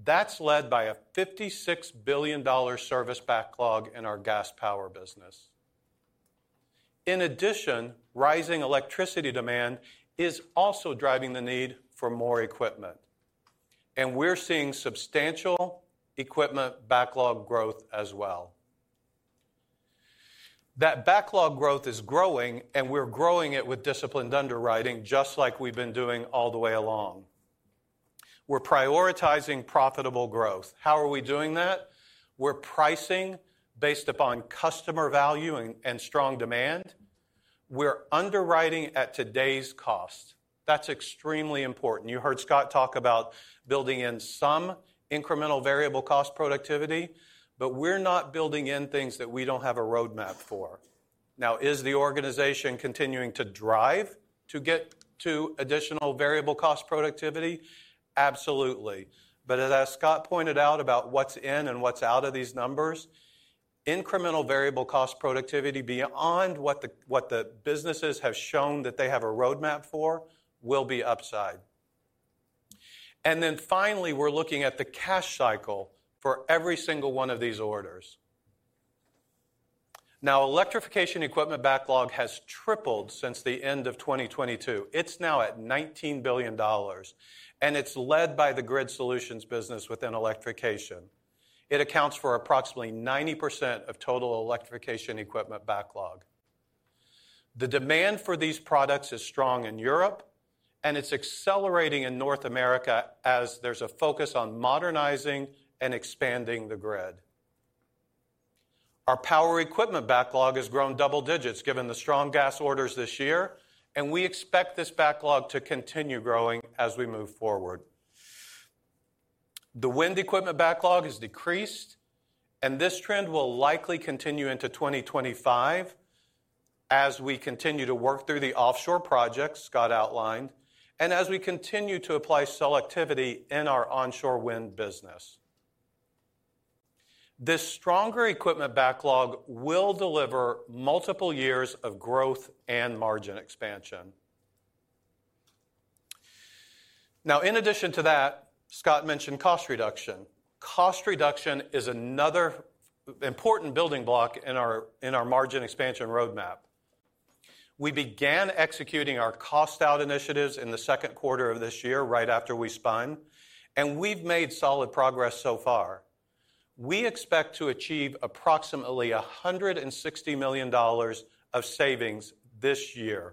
That's led by a $56 billion service backlog in our gas power business. In addition, rising electricity demand is also driving the need for more equipment, and we're seeing substantial equipment backlog growth as well. That backlog growth is growing, and we're growing it with disciplined underwriting, just like we've been doing all the way along. We're prioritizing profitable growth. How are we doing that? We're pricing based upon customer value and strong demand. We're underwriting at today's cost. That's extremely important. You heard Scott talk about building in some incremental variable cost productivity, but we're not building in things that we don't have a roadmap for. Now, is the organization continuing to drive to get to additional variable cost productivity? Absolutely. But as Scott pointed out about what's in and what's out of these numbers, incremental variable cost productivity beyond what the businesses have shown that they have a roadmap for will be upside. And then finally, we're looking at the cash cycle for every single one of these orders. Now, electrification equipment backlog has tripled since the end of 2022. It's now at $19 billion, and it's led by the grid solutions business within electrification. It accounts for approximately 90% of total electrification equipment backlog. The demand for these products is strong in Europe, and it's accelerating in North America as there's a focus on modernizing and expanding the grid. Our power equipment backlog has grown double digits given the strong gas orders this year, and we expect this backlog to continue growing as we move forward. The wind equipment backlog has decreased, and this trend will likely continue into 2025 as we continue to work through the offshore projects Scott outlined and as we continue to apply selectivity in our onshore wind business. This stronger equipment backlog will deliver multiple years of growth and margin expansion. Now, in addition to that, Scott mentioned cost reduction. Cost reduction is another important building block in our margin expansion roadmap. We began executing our cost out initiatives in the Q2 of this year, right after we spun, and we've made solid progress so far. We expect to achieve approximately $160 million of savings this year.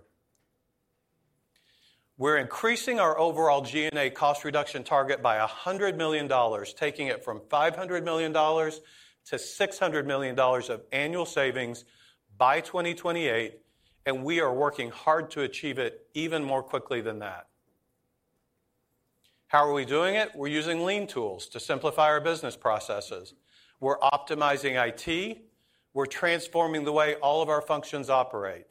We're increasing our overall G&A cost reduction target by $100 million, taking it from $500 million to $600 million of annual savings by 2028, and we are working hard to achieve it even more quickly than that. How are we doing it? We're using Lean tools to simplify our business processes. We're optimizing IT. We're transforming the way all of our functions operate.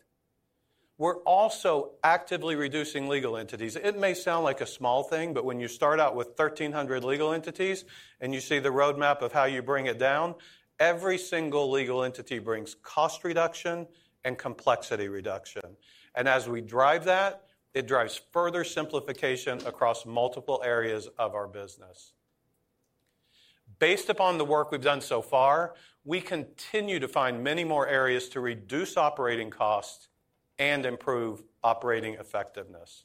We're also actively reducing legal entities. It may sound like a small thing, but when you start out with 1,300 legal entities and you see the roadmap of how you bring it down, every single legal entity brings cost reduction and complexity reduction. And as we drive that, it drives further simplification across multiple areas of our business. Based upon the work we've done so far, we continue to find many more areas to reduce operating costs and improve operating effectiveness.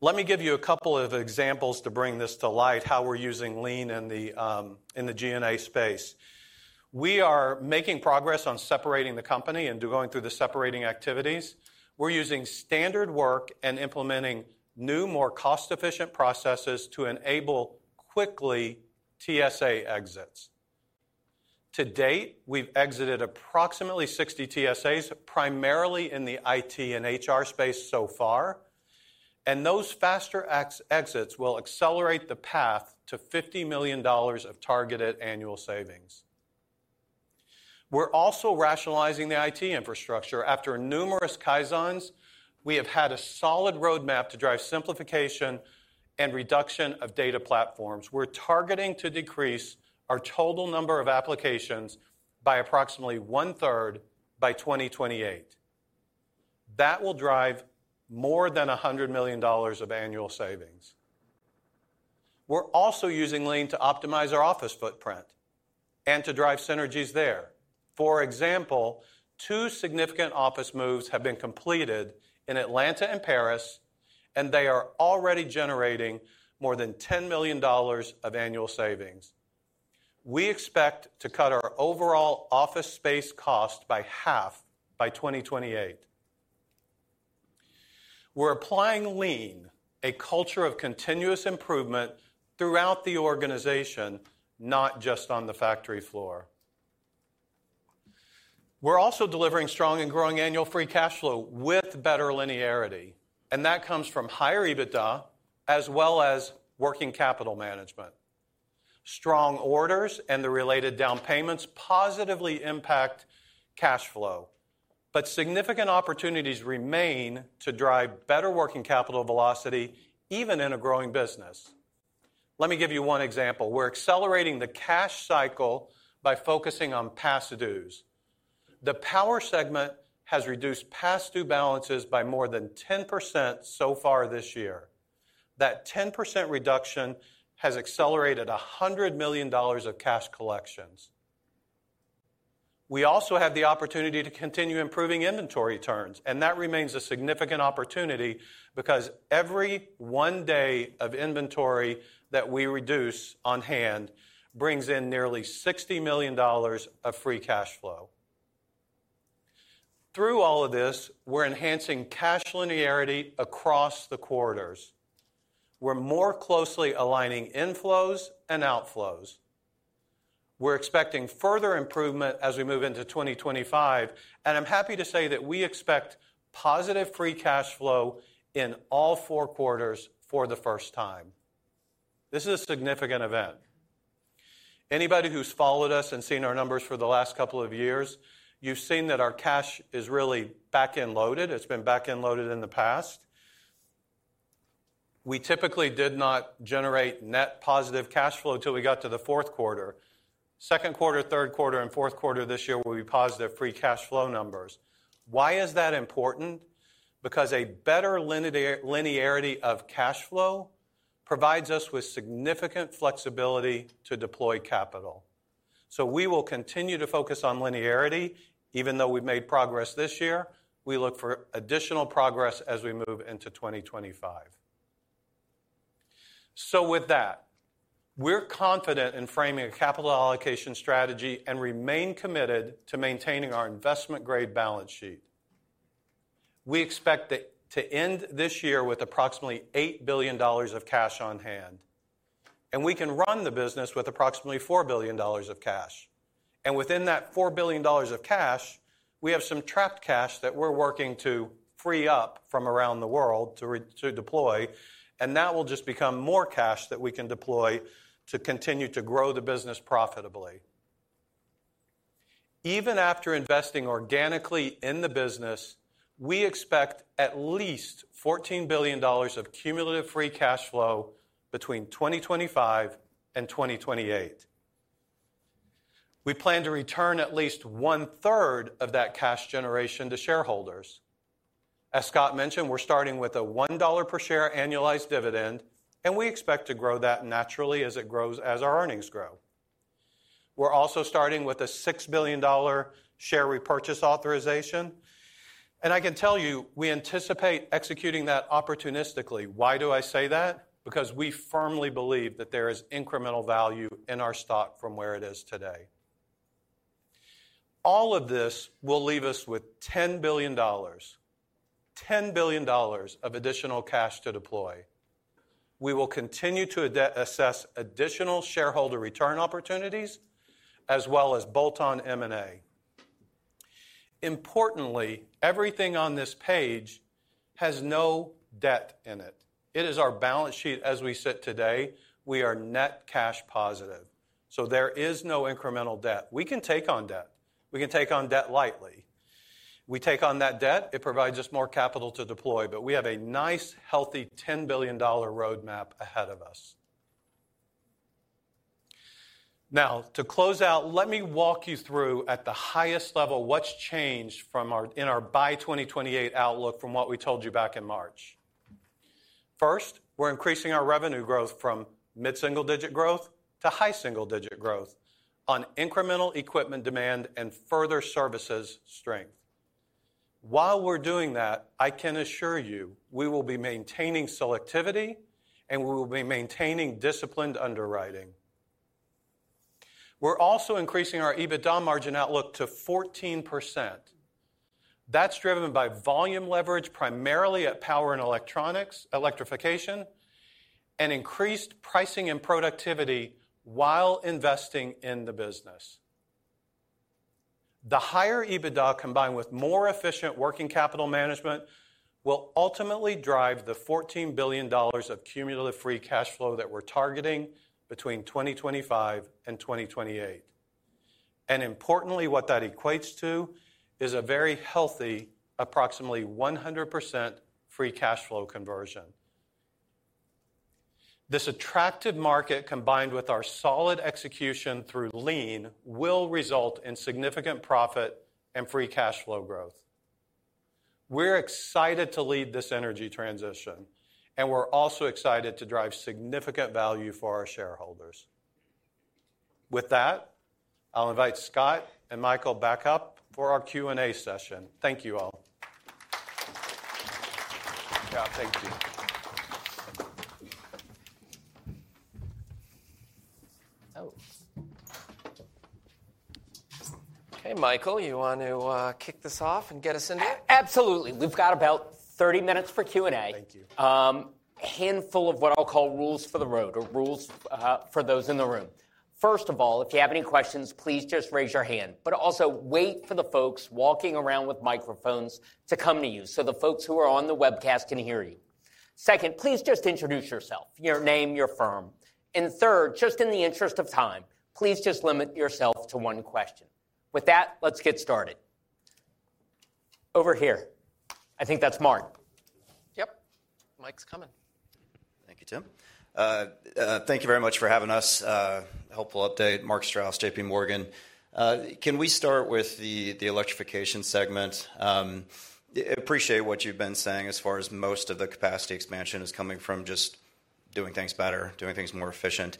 Let me give you a couple of examples to bring this to light, how we're using Lean in the G&A space. We are making progress on separating the company and going through the separating activities. We're using standard work and implementing new, more cost-efficient processes to enable quickly TSA exits. To date, we've exited approximately 60 TSAs, primarily in the IT and HR space so far, and those faster exits will accelerate the path to $50 million of targeted annual savings. We're also rationalizing the IT infrastructure. After numerous kaizens, we have had a solid roadmap to drive simplification and reduction of data platforms. We're targeting to decrease our total number of applications by approximately one-third by 2028. That will drive more than $100 million of annual savings. We're also using Lean to optimize our office footprint and to drive synergies there. For example, two significant office moves have been completed in Atlanta and Paris, and they are already generating more than $10 million of annual savings. We expect to cut our overall office space cost by half by 2028. We're applying Lean, a culture of continuous improvement throughout the organization, not just on the factory floor. We're also delivering strong and growing annual free cash flow with better linearity, and that comes from higher EBITDA as well as working capital management. Strong orders and the related down payments positively impact cash flow, but significant opportunities remain to drive better working capital velocity even in a growing business. Let me give you one example. We're accelerating the cash cycle by focusing on DSOs. The power segment has reduced DSO balances by more than 10% so far this year. That 10% reduction has accelerated $100 million of cash collections. We also have the opportunity to continue improving inventory turns, and that remains a significant opportunity because every one day of inventory that we reduce on hand brings in nearly $60 million of free cash flow. Through all of this, we're enhancing cash linearity across the quarters. We're more closely aligning inflows and outflows. We're expecting further improvement as we move into 2025, and I'm happy to say that we expect positive free cash flow in all four quarters for the first time. This is a significant event. Anybody who's followed us and seen our numbers for the last couple of years, you've seen that our cash is really back-end loaded. It's been back-end loaded in the past. We typically did not generate net positive cash flow until we got to the Q4. Q2, Q3, and Q4 this year will be positive free cash flow numbers. Why is that important? Because a better linearity of cash flow provides us with significant flexibility to deploy capital. So we will continue to focus on linearity, even though we've made progress this year. We look for additional progress as we move into 2025. So with that, we're confident in framing a capital allocation strategy and remain committed to maintaining our investment-grade balance sheet. We expect to end this year with approximately $8 billion of cash on hand, and we can run the business with approximately $4 billion of cash. Within that $4 billion of cash, we have some trapped cash that we're working to free up from around the world to deploy, and that will just become more cash that we can deploy to continue to grow the business profitably. Even after investing organically in the business, we expect at least $14 billion of cumulative free cash flow between 2025 and 2028. We plan to return at least one-third of that cash generation to shareholders. As Scott mentioned, we're starting with a $1 per share annualized dividend, and we expect to grow that naturally as it grows as our earnings grow. We're also starting with a $6 billion share repurchase authorization, and I can tell you we anticipate executing that opportunistically. Why do I say that? Because we firmly believe that there is incremental value in our stock from where it is today. All of this will leave us with $10 billion, $10 billion of additional cash to deploy. We will continue to assess additional shareholder return opportunities as well as bolt-on M&A. Importantly, everything on this page has no debt in it. It is our balance sheet as we sit today. We are net cash positive, so there is no incremental debt. We can take on debt. We can take on debt lightly. We take on that debt. It provides us more capital to deploy, but we have a nice, healthy $10 billion roadmap ahead of us. Now, to close out, let me walk you through at the highest level what's changed in our by 2028 outlook from what we told you back in March. First, we're increasing our revenue growth from mid-single-digit growth to high-single-digit growth on incremental equipment demand and further services strength. While we're doing that, I can assure you we will be maintaining selectivity, and we will be maintaining disciplined underwriting. We're also increasing our EBITDA margin outlook to 14%. That's driven by volume leverage, primarily at power and electricity, and increased pricing and productivity while investing in the business. The higher EBITDA combined with more efficient working capital management will ultimately drive the $14 billion of cumulative free cash flow that we're targeting between 2025 and 2028. And importantly, what that equates to is a very healthy, approximately 100% free cash flow conversion. This attractive market, combined with our solid execution through Lean, will result in significant profit and free cash flow growth. We're excited to lead this energy transition, and we're also excited to drive significant value for our shareholders. With that, I'll invite Scott and Michael back up for our Q&A session. Thank you all. Yeah, thank you. Oh. Hey, Michael, you want to kick this off and get us into it? Absolutely. We've got about 30 minutes for Q&A. Thank you. A handful of what I'll call rules for the road or rules for those in the room. First of all, if you have any questions, please just raise your hand, but also wait for the folks walking around with microphones to come to you so the folks who are on the webcast can hear you. Second, please just introduce yourself, your name, your firm. And third, just in the interest of time, please just limit yourself to one question. With that, let's get started. Over here. I think that's Mark. Yep. Mike's coming. Thank you, Tim. Thank you very much for having us. Helpful update. Mark Strouse, J.P. Morgan. Can we start with the electrification segment? appreciate what you've been saying as far as most of the capacity expansion is coming from just doing things better, doing things more efficient.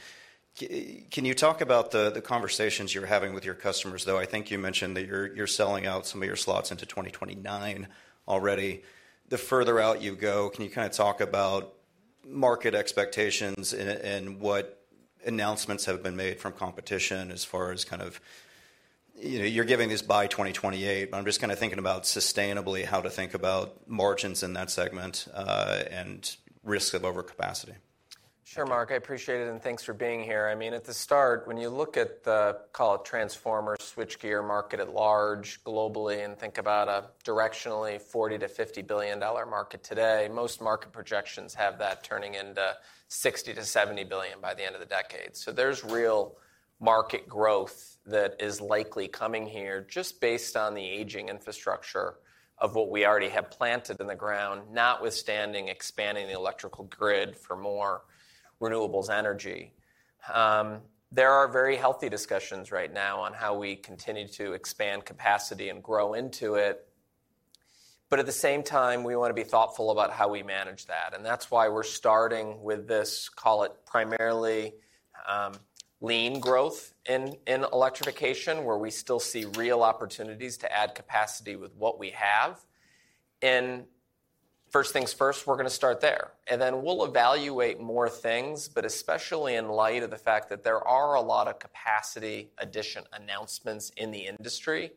Can you talk about the conversations you're having with your customers, though? I think you mentioned that you're selling out some of your slots into 2029 already. The further out you go, can you kind of talk about market expectations and what announcements have been made from competition as far as kind of you're giving this by 2028, but I'm just kind of thinking about sustainably how to think about margins in that segment and risk of overcapacity. Sure, Mark. I appreciate it, and thanks for being here. I mean, at the start, when you look at the, call it transformer switchgear market at large globally and think about a directionally $40-$50 billion market today, most market projections have that turning into $60-$70 billion by the end of the decade. So there's real market growth that is likely coming here just based on the aging infrastructure of what we already have planted in the ground, notwithstanding expanding the electrical grid for more renewable energy. There are very healthy discussions right now on how we continue to expand capacity and grow into it, but at the same time, we want to be thoughtful about how we manage that. And that's why we're starting with this, call it primarily Lean growth in electrification, where we still see real opportunities to add capacity with what we have. And first things first, we're going to start there. Then we'll evaluate more things, but especially in light of the fact that there are a lot of capacity addition announcements in the industry.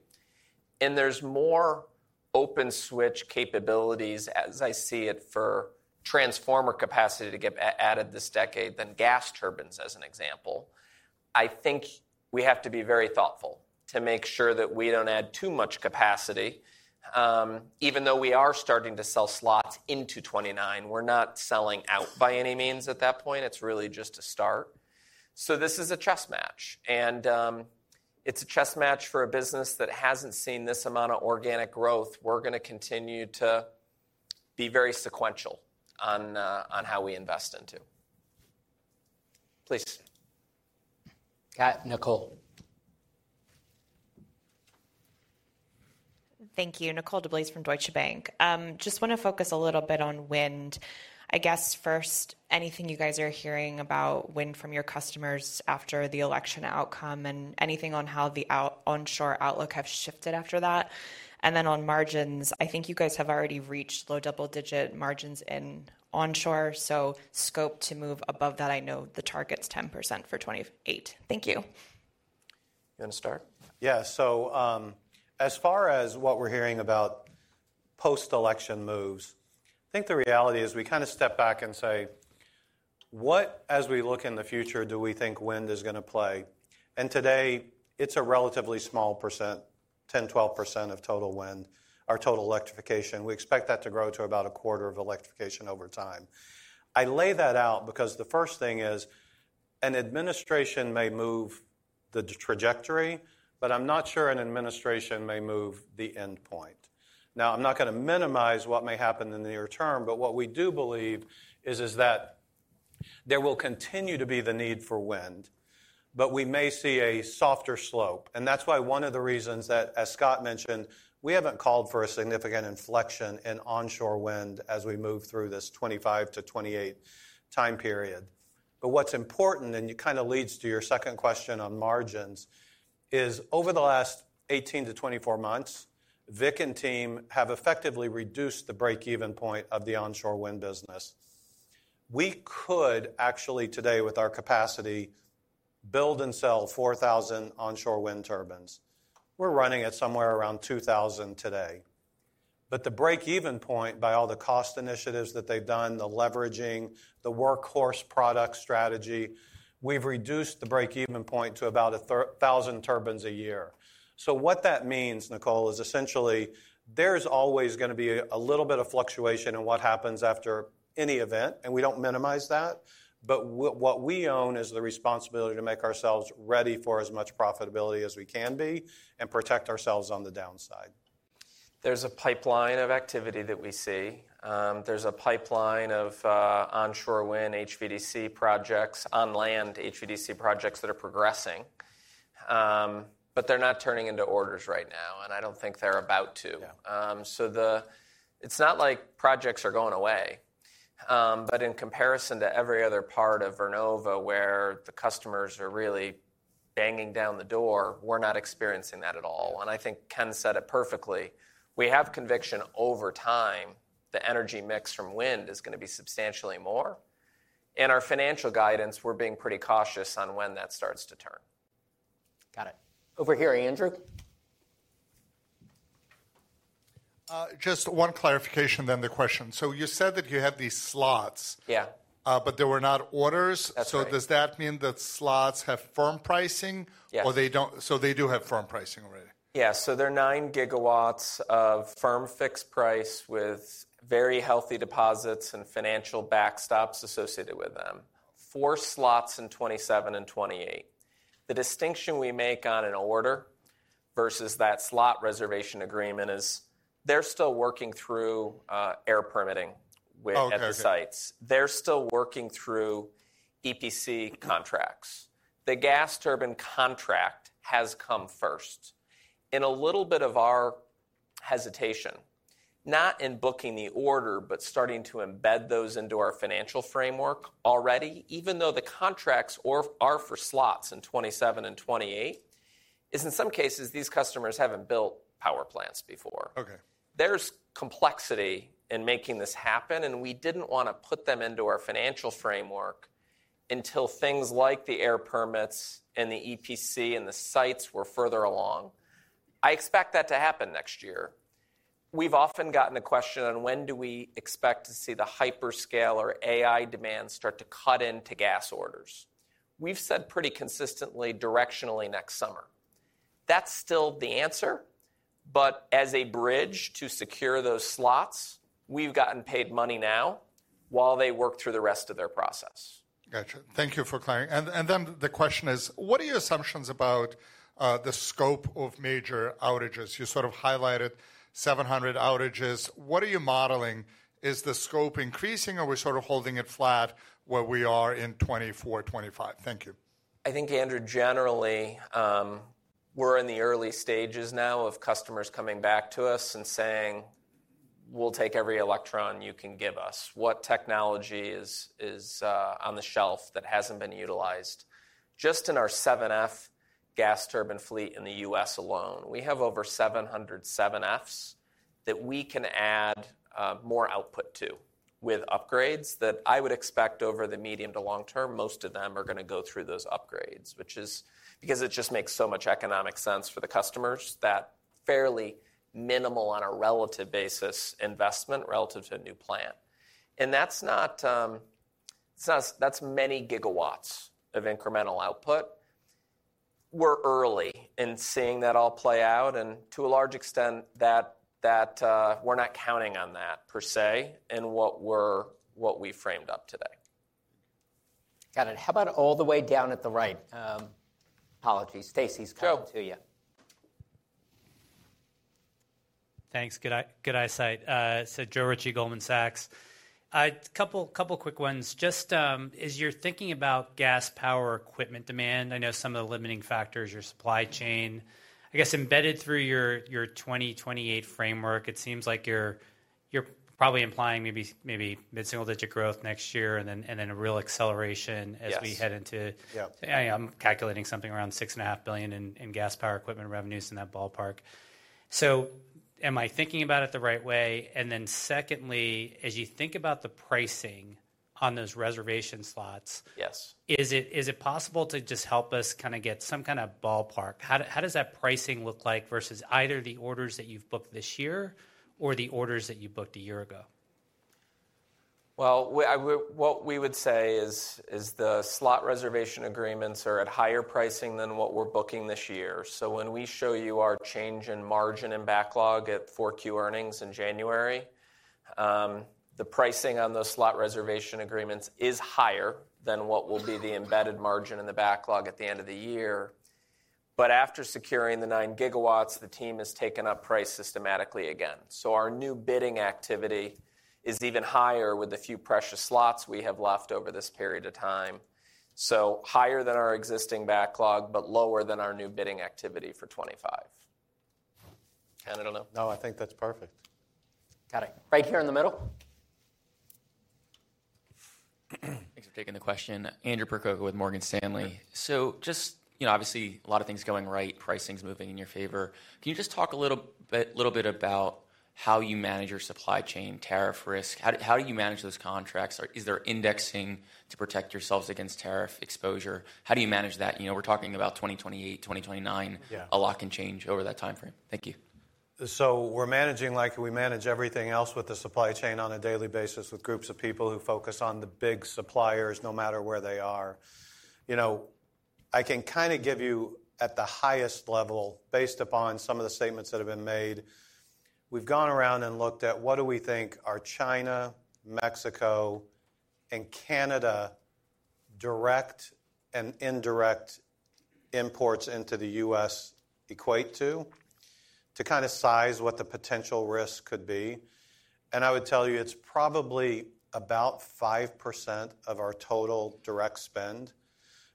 There's more open switch capabilities, as I see it, for transformer capacity to get added this decade than gas turbines, as an example. I think we have to be very thoughtful to make sure that we don't add too much capacity. Even though we are starting to sell slots into 2029, we're not selling out by any means at that point. It's really just a start. So this is a chess match, and it's a chess match for a business that hasn't seen this amount of organic growth. We're going to continue to be very sequential on how we invest into. Please. Got it. Nicole. Thank you. Nicole DeBlase from Deutsche Bank. Just want to focus a little bit on wind. I guess first, anything you guys are hearing about wind from your customers after the election outcome and anything on how the onshore outlook has shifted after that? And then on margins, I think you guys have already reached low double-digit margins in onshore, so scope to move above that. I know the target is 10% for 2028. Thank you. You want to start? Yeah. So as far as what we're hearing about post-election moves, I think the reality is we kind of step back and say, what, as we look in the future, do we think wind is going to play? And today, it is a relatively small percent, 10%-12% of total wind, our total electrification. We expect that to grow to about a quarter of electrification over time. I lay that out because the first thing is an administration may move the trajectory, but I'm not sure an administration may move the endpoint. Now, I'm not going to minimize what may happen in the near term, but what we do believe is that there will continue to be the need for wind, but we may see a softer slope. And that's why one of the reasons that, as Scott mentioned, we haven't called for a significant inflection in onshore wind as we move through this 2025 to 2028 time period. But what's important, and it kind of leads to your second question on margins, is over the last 18 to 24 months, Vic and team have effectively reduced the break-even point of the onshore wind business. We could actually today, with our capacity, build and sell 4,000 onshore wind turbines. We're running at somewhere around 2,000 today. But the break-even point, by all the cost initiatives that they've done, the leveraging, the workhorse product strategy, we've reduced the break-even point to about 1,000 turbines a year. So what that means, Nicole, is essentially there's always going to be a little bit of fluctuation in what happens after any event, and we don't minimize that, but what we own is the responsibility to make ourselves ready for as much profitability as we can be and protect ourselves on the downside. There's a pipeline of activity that we see. There's a pipeline of onshore wind HVDC projects, on-land HVDC projects that are progressing, but they're not turning into orders right now, and I don't think they're about to. So it's not like projects are going away, but in comparison to every other part of Vernova where the customers are really banging down the door, we're not experiencing that at all. And I think Ken said it perfectly. We have conviction over time the energy mix from wind is going to be substantially more. In our financial guidance, we're being pretty cautious on when that starts to turn. Got it. Over here, Andrew. Just one clarification then the question. So you said that you had these slots, but there were not orders. That's right. So does that mean that slots have firm pricing? Yes. Or they don't? So they do have firm pricing already? Yeah. So they're nine gigawatts of firm fixed price with very healthy deposits and financial backstops associated with them. Four slots in 2027 and 2028. The distinction we make on an order versus that slot reservation agreement is they're still working through air permitting with other sites. They're still working through EPC contracts. The gas turbine contract has come first. In a little bit of our hesitation, not in booking the order, but starting to embed those into our financial framework already, even though the contracts are for slots in 2027 and 2028, is in some cases these customers haven't built power plants before. There's complexity in making this happen, and we didn't want to put them into our financial framework until things like the air permits and the EPC and the sites were further along. I expect that to happen next year. We've often gotten the question on when do we expect to see the hyperscale or AI demand start to cut into gas orders. We've said pretty consistently directionally next summer. That's still the answer, but as a bridge to secure those slots, we've gotten paid money now while they work through the rest of their process. Gotcha. Thank you for clarifying. And then the question is, what are your assumptions about the scope of major outages? You sort of highlighted 700 outages. What are you modeling? Is the scope increasing, or are we sort of holding it flat where we are in 2024, 2025? Thank you. I think, Andrew, generally, we're in the early stages now of customers coming back to us and saying, "We'll take every electron you can give us." What technology is on the shelf that hasn't been utilized? Just in our 7F gas turbine fleet in the U.S. alone, we have over 700 7Fs that we can add more output to with upgrades that I would expect over the medium to long term, most of them are going to go through those upgrades, which is because it just makes so much economic sense for the customers that fairly minimal on a relative basis investment relative to a new plant. And that's many gigawatts of incremental output. We're early in seeing that all play out, and to a large extent, we're not counting on that per se in what we framed up today. Got it. How about all the way down at the right? Apologies. Stacey's coming to you. Thanks. Good eyesight. So Joe Ritchie, Goldman Sachs. A couple of quick ones. Just as you're thinking about gas power equipment demand, I know some of the limiting factors, your supply chain, I guess embedded through your 2028 framework, it seems like you're probably implying maybe mid-single-digit growth next year and then a real acceleration as we head into, yeah, I'm calculating something around $6.5 billion in gas power equipment revenues in that ballpark. So am I thinking about it the right way? And then secondly, as you think about the pricing on those reservation slots, is it possible to just help us kind of get some kind of ballpark? How does that pricing look like versus either the orders that you've booked this year or the orders that you booked a year ago? Well, what we would say is the slot reservation agreements are at higher pricing than what we're booking this year. So when we show you our change in margin and backlog at 4Q earnings in January, the pricing on those slot reservation agreements is higher than what will be the embedded margin in the backlog at the end of the year. But after securing the nine gigawatts, the team has taken up price systematically again. So our new bidding activity is even higher with the few precious slots we have left over this period of time. So higher than our existing backlog, but lower than our new bidding activity for 2025. Kind of don't know. No, I think that's perfect. Got it. Right here in the middle. Thanks for taking the question. Andrew Percoco with Morgan Stanley. So just obviously, a lot of things going right, pricing's moving in your favor. Can you just talk a little bit about how you manage your supply chain tariff risk? How do you manage those contracts? Is there indexing to protect yourselves against tariff exposure? How do you manage that? We're talking about 2028, 2029. A lot can change over that timeframe. Thank you. So we're managing like we manage everything else with the supply chain on a daily basis with groups of people who focus on the big suppliers no matter where they are. I can kind of give you at the highest level based upon some of the statements that have been made. We've gone around and looked at what do we think our China, Mexico, and Canada direct and indirect imports into the U.S. equate to to kind of size what the potential risk could be. And I would tell you it's probably about 5% of our total direct spend.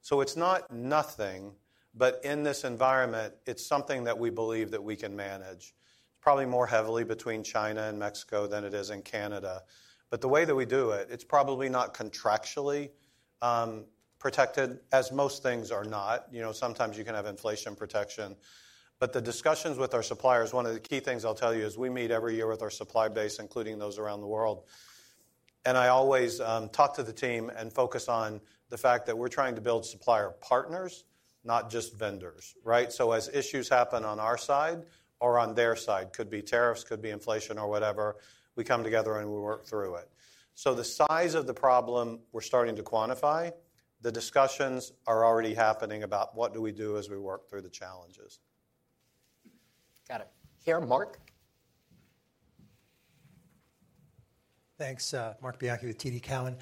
So it's not nothing, but in this environment, it's something that we believe that we can manage. It's probably more heavily between China and Mexico than it is in Canada. But the way that we do it, it's probably not contractually protected, as most things are not. Sometimes you can have inflation protection. But the discussions with our suppliers, one of the key things I'll tell you is we meet every year with our supply base, including those around the world. And I always talk to the team and focus on the fact that we're trying to build supplier partners, not just vendors. So as issues happen on our side or on their side, could be tariffs, could be inflation or whatever, we come together and we work through it. So the size of the problem we're starting to quantify. The discussions are already happening about what do we do as we work through the challenges. Got it. Here, Mark. Thanks, Mark. Marc Bianchi, with TD Cowen.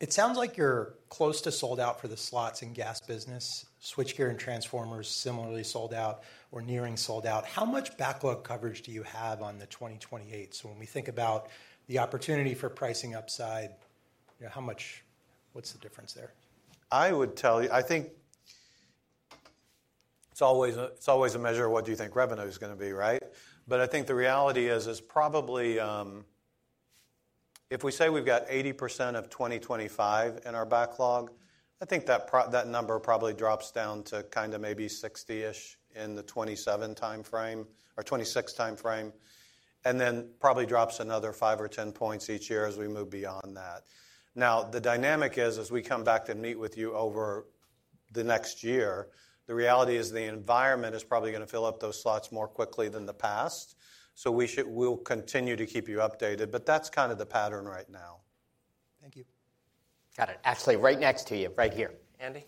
It sounds like you're close to sold out for the slots in gas business. Switchgear and transformers similarly sold out or nearing sold out. How much backlog coverage do you have on the 2028? So when we think about the opportunity for pricing upside, how much? What's the difference there? I would tell you, I think it's always a measure of what do you think revenue is going to be, right? But I think the reality is probably if we say we've got 80% of 2025 in our backlog, I think that number probably drops down to kind of maybe 60-ish in the 2027 timeframe or 2026 timeframe, and then probably drops another five or ten points each year as we move beyond that. Now, the dynamic is as we come back to meet with you over the next year, the reality is the environment is probably going to fill up those slots more quickly than the past. So we will continue to keep you updated, but that's kind of the pattern right now. Thank you. Got it. Actually, right next to you, right here. Andy.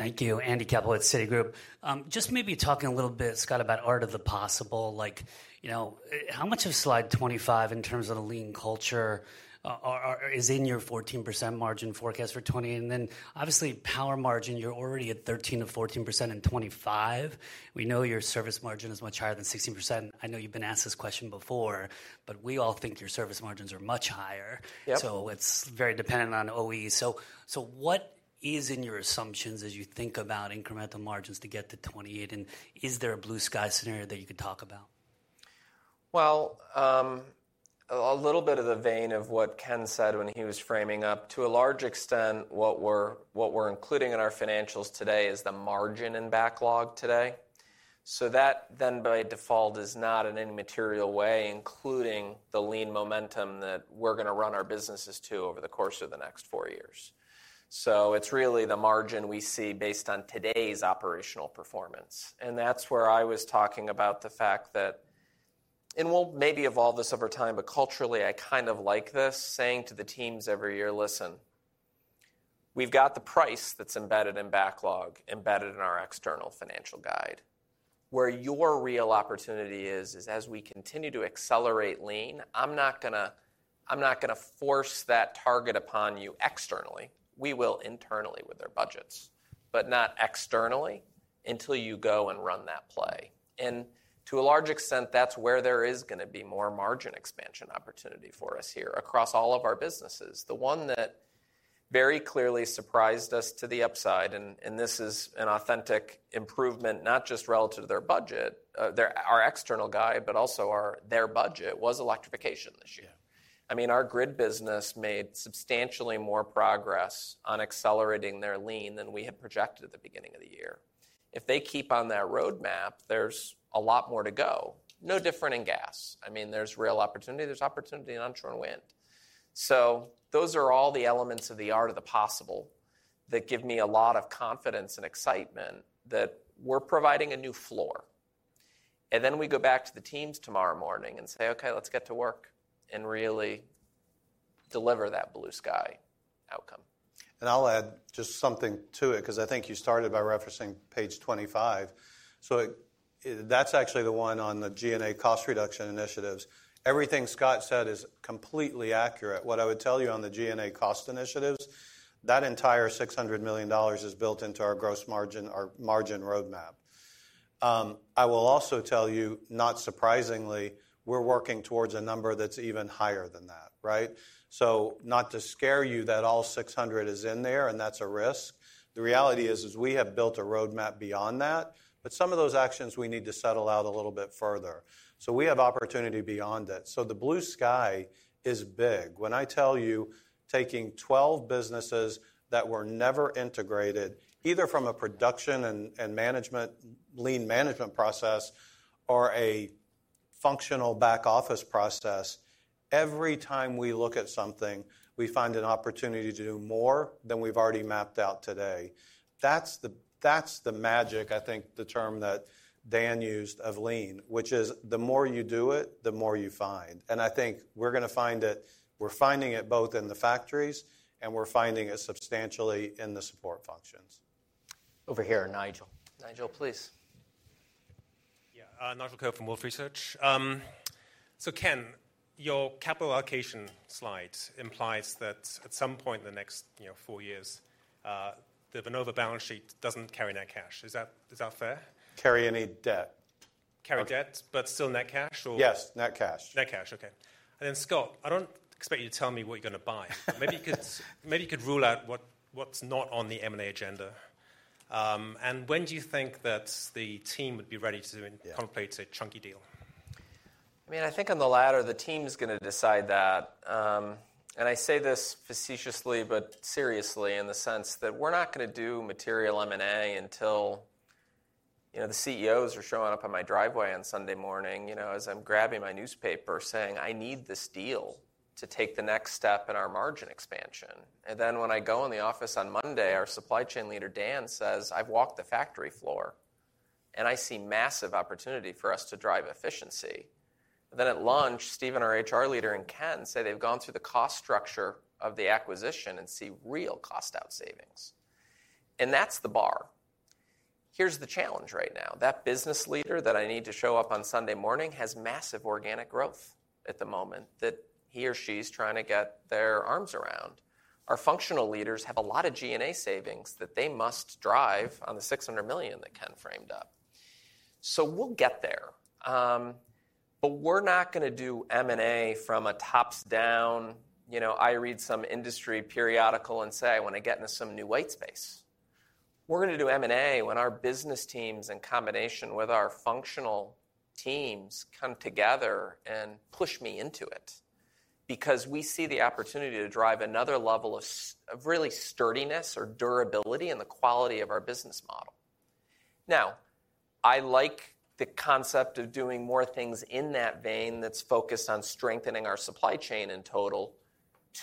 Thank you. Andy Kaplowitz at Citigroup. Just maybe talking a little bit, Scott, about art of the possible. How much of slide 25 in terms of the Lean culture is in your 14% margin forecast for 2028? And then obviously power margin, you're already at 13%-14% in 2025. We know your service margin is much higher than 16%. I know you've been asked this question before, but we all think your service margins are much higher. So it's very dependent on OEE. So what is in your assumptions as you think about incremental margins to get to 2028? And is there a blue sky scenario that you could talk about? Well, a little bit in the vein of what Ken said when he was framing up, to a large extent, what we're including in our financials today is the margin in backlog today. So that then by default is not an immaterial way, including the Lean momentum that we're going to run our businesses to over the course of the next four years. So it's really the margin we see based on today's operational performance. And that's where I was talking about the fact that, and we'll maybe evolve this over time, but culturally, I kind of like this saying to the teams every year, listen, we've got the price that's embedded in backlog, embedded in our external financial guide. Where your real opportunity is, is as we continue to accelerate Lean, I'm not going to force that target upon you externally. We will internally with our budgets, but not externally until you go and run that play. And to a large extent, that's where there is going to be more margin expansion opportunity for us here across all of our businesses. The one that very clearly surprised us to the upside, and this is an authentic improvement not just relative to their budget, our external guide, but also their budget was electrification this year. I mean, our grid business made substantially more progress on accelerating their Lean than we had projected at the beginning of the year. If they keep on that roadmap, there's a lot more to go. No different in gas. I mean, there's real opportunity. There's opportunity in onshore and wind. So those are all the elements of the art of the possible that give me a lot of confidence and excitement that we're providing a new floor. And then we go back to the teams tomorrow morning and say, "Okay, let's get to work and really deliver that blue sky outcome." And I'll add just something to it because I think you started by referencing page 25. So that's actually the one on the G&A cost reduction initiatives. Everything Scott said is completely accurate. What I would tell you on the G&A cost initiatives, that entire $600 million is built into our gross margin, our margin roadmap. I will also tell you, not surprisingly, we're working towards a number that's even higher than that. So not to scare you that all 600 is in there and that's a risk. The reality is we have built a roadmap beyond that, but some of those actions we need to settle out a little bit further. So we have opportunity beyond it. So the blue sky is big. When I tell you taking 12 businesses that were never integrated, either from a production and management, Lean management process or a functional back office process, every time we look at something, we find an opportunity to do more than we've already mapped out today. That's the magic, I think the term that Dan used of Lean, which is the more you do it, the more you find. And I think we're going to find it. We're finding it both in the factories and we're finding it substantially in the support functions. Over here, Nigel. Nigel, please. Yeah, Nigel Coe from Wolfe Research. So, Ken, your capital allocation slides imply that at some point in the next four years, the Vernova balance sheet doesn't carry net cash. Is that fair? Carry any debt. Carry debt, but still net cash or? Yes, net cash. Net cash, okay. And then, Scott, I don't expect you to tell me what you're going to buy. Maybe you could rule out what's not on the M&A agenda. And when do you think that the team would be ready to contemplate a chunky deal? I mean, I think on the ladder, the team's going to decide that. I say this facetiously, but seriously in the sense that we're not going to do material M&A until the CEOs are showing up on my driveway on Sunday morning as I'm grabbing my newspaper saying, "I need this deal to take the next step in our margin expansion." And then when I go in the office on Monday, our supply chain leader, Dan, says, "I've walked the factory floor and I see massive opportunity for us to drive efficiency." Then at lunch, Steve and our HR leader and Ken say they've gone through the cost structure of the acquisition and see real cost outsavings. And that's the bar. Here's the challenge right now. That business leader that I need to show up on Sunday morning has massive organic growth at the moment that he or she's trying to get their arms around. Our functional leaders have a lot of G&A savings that they must drive on the $600 million that Ken framed up. So we'll get there. But we're not going to do M&A from a top-down. I read some industry periodical and say, "I want to get into some new white space." We're going to do M&A when our business teams in combination with our functional teams come together and push me into it because we see the opportunity to drive another level of really sturdiness or durability in the quality of our business model. Now, I like the concept of doing more things in that vein that's focused on strengthening our supply chain in total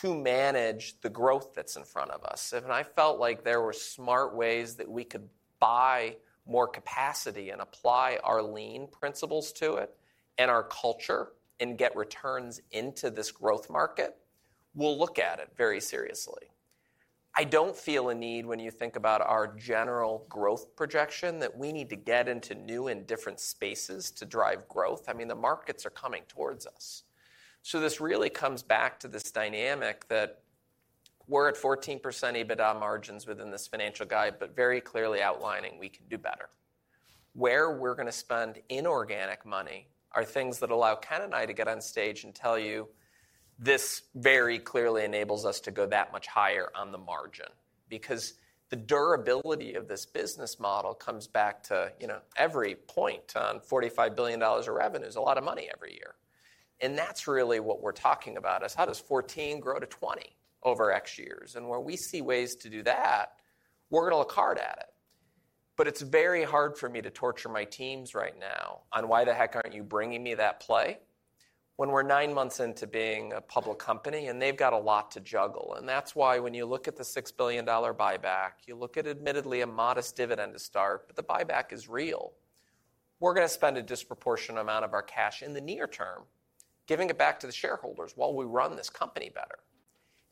to manage the growth that's in front of us. I felt like there were smart ways that we could buy more capacity and apply our Lean principles to it and our culture and get returns into this growth market. We'll look at it very seriously. I don't feel a need when you think about our general growth projection that we need to get into new and different spaces to drive growth. I mean, the markets are coming towards us. This really comes back to this dynamic that we're at 14% EBITDA margins within this financial guide, but very clearly outlining we can do better. Where we're going to spend inorganic money are things that allow Ken and I to get on stage and tell you, this very clearly enables us to go that much higher on the margin because the durability of this business model comes back to every point on $45 billion of revenue is a lot of money every year. And that's really what we're talking about is how does 14 grow to 20 over X years? And where we see ways to do that, we're going to look hard at it. But it's very hard for me to torture my teams right now on why the heck aren't you bringing me that play when we're nine months into being a public company and they've got a lot to juggle. And that's why when you look at the $6 billion buyback, you look at admittedly a modest dividend to start, but the buyback is real. We're going to spend a disproportionate amount of our cash in the near term giving it back to the shareholders while we run this company better.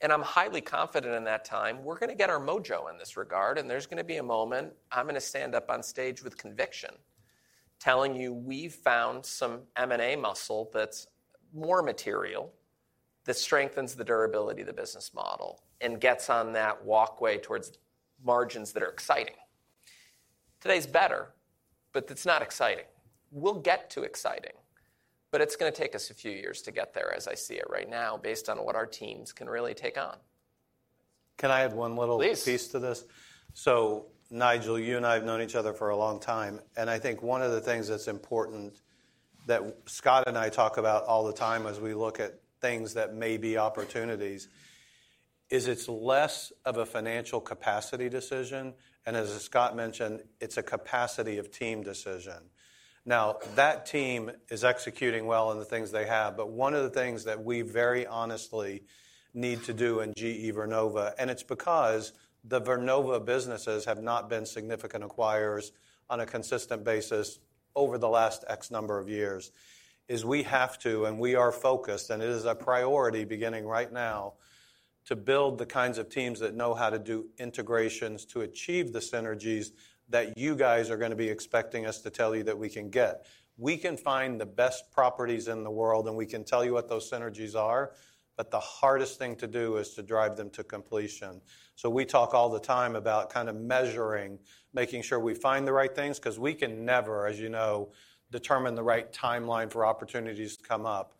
And I'm highly confident in that time we're going to get our mojo in this regard. And there's going to be a moment I'm going to stand up on stage with conviction telling you we've found some M&A muscle that's more material that strengthens the durability of the business model and gets on that walkway towards margins that are exciting. Today's better, but it's not exciting. We'll get to exciting, but it's going to take us a few years to get there as I see it right now based on what our teams can really take on. Can I add one little piece to this? So Nigel, you and I have known each other for a long time. And I think one of the things that's important that Scott and I talk about all the time as we look at things that may be opportunities is it's less of a financial capacity decision. And as Scott mentioned, it's a capacity of team decision. Now, that team is executing well in the things they have, but one of the things that we very honestly need to do in GE Vernova, and it's because the Vernova businesses have not been significant acquirers on a consistent basis over the last X number of years, is we have to, and we are focused, and it is a priority beginning right now to build the kinds of teams that know how to do integrations to achieve the synergies that you guys are going to be expecting us to tell you that we can get. We can find the best properties in the world, and we can tell you what those synergies are, but the hardest thing to do is to drive them to completion. So we talk all the time about kind of measuring, making sure we find the right things because we can never, as you know, determine the right timeline for opportunities to come up.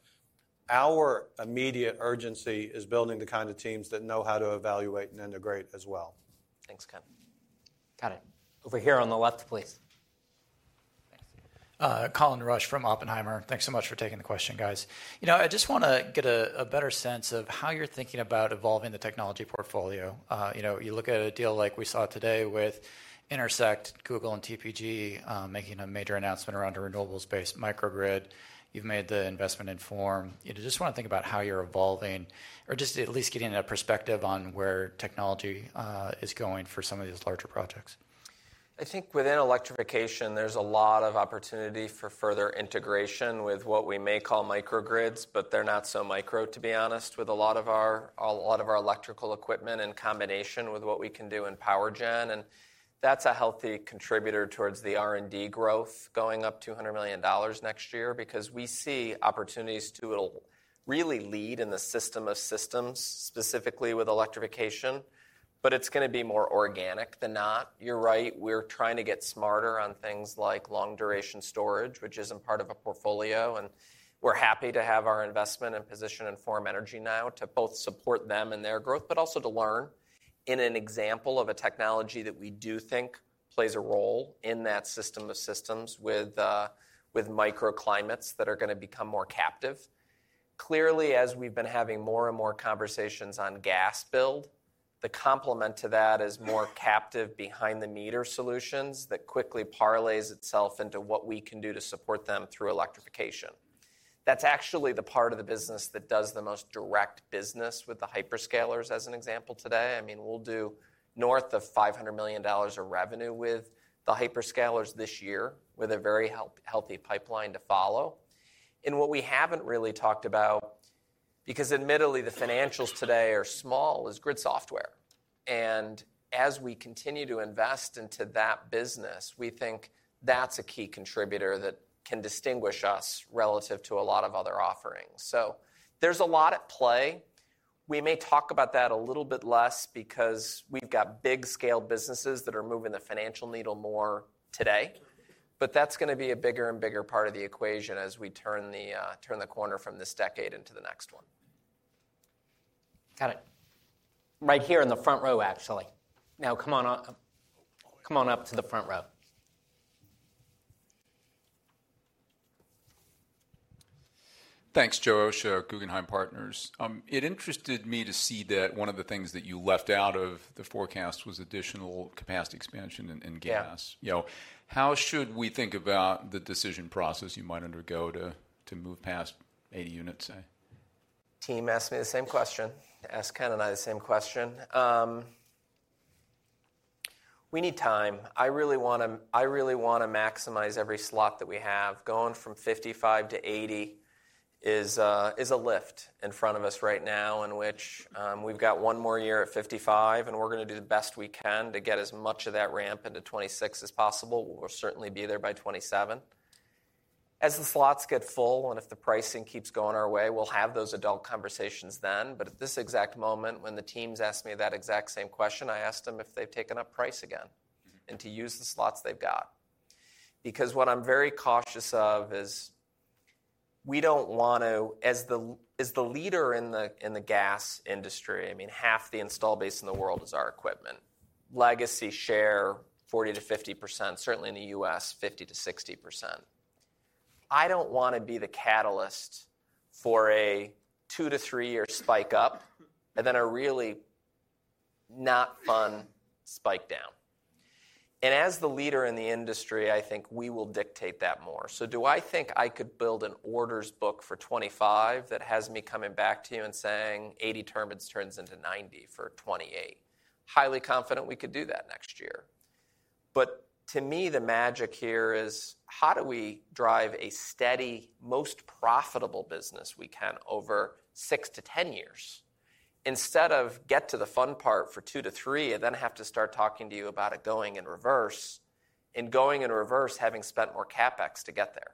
Our immediate urgency is building the kind of teams that know how to evaluate and integrate as well. Thanks, Ken. Got it. Over here on the left, please. Colin Rusch from Oppenheimer, thanks so much for taking the question, guys. I just want to get a better sense of how you're thinking about evolving the technology portfolio. You look at a deal like we saw today with Intersect, Google, and TPG making a major announcement around a renewables-based microgrid. You've made the investment in Form. I just want to think about how you're evolving or just at least getting a perspective on where technology is going for some of these larger projects. I think within electrification, there's a lot of opportunity for further integration with what we may call microgrids, but they're not so micro, to be honest, with a lot of our electrical equipment in combination with what we can do in power gen, and that's a healthy contributor towards the R&D growth going up $200 million next year because we see opportunities to really lead in the system of systems, specifically with electrification, but it's going to be more organic than not. You're right. We're trying to get smarter on things like long-duration storage, which isn't part of a portfolio. We're happy to have our investment in position and Form Energy now to both support them and their growth, but also to learn in an example of a technology that we do think plays a role in that system of systems with microgrids that are going to become more captive. Clearly, as we've been having more and more conversations on gas build, the complement to that is more captive behind-the-meter solutions that quickly parlays itself into what we can do to support them through electrification. That's actually the part of the business that does the most direct business with the hyperscalers as an example today. I mean, we'll do north of $500 million of revenue with the hyperscalers this year with a very healthy pipeline to follow. And what we haven't really talked about, because admittedly the financials today are small, is grid software. And as we continue to invest into that business, we think that's a key contributor that can distinguish us relative to a lot of other offerings. So there's a lot at play. We may talk about that a little bit less because we've got big-scale businesses that are moving the financial needle more today, but that's going to be a bigger and bigger part of the equation as we turn the corner from this decade into the next one. Got it. Right here in the front row, actually. Now come on up to the front row. Thanks, Joe Osha, Guggenheim Partners. It interested me to see that one of the things that you left out of the forecast was additional capacity expansion in gas. How should we think about the decision process you might undergo to move past 80 units, say? They asked me the same question. Asked Ken and I the same question. We need time. I really want to maximize every slot that we have. Going from 55 to 80 is a lift in front of us right now in which we've got one more year at 55, and we're going to do the best we can to get as much of that ramp into 2026 as possible. We'll certainly be there by 2027. As the slots get full and if the pricing keeps going our way, we'll have those adult conversations then. But at this exact moment when the teams asked me that exact same question, I asked them if they've taken up price again and to use the slots they've got. Because what I'm very cautious of is we don't want to, as the leader in the gas industry, I mean, half the install base in the world is our equipment. Legacy share, 40%-50%, certainly in the U.S., 50%-60%. I don't want to be the catalyst for a two- to three-year spike up and then a really not fun spike down. As the leader in the industry, I think we will dictate that more. Do I think I could build an order book for 2025 that has me coming back to you and saying 80 turbines turns into 90 for 2028? Highly confident we could do that next year. To me, the magic here is how do we drive a steady, most profitable business we can over six to ten years instead of get to the fun part for two to three and then have to start talking to you about it going in reverse and going in reverse having spent more CapEx to get there.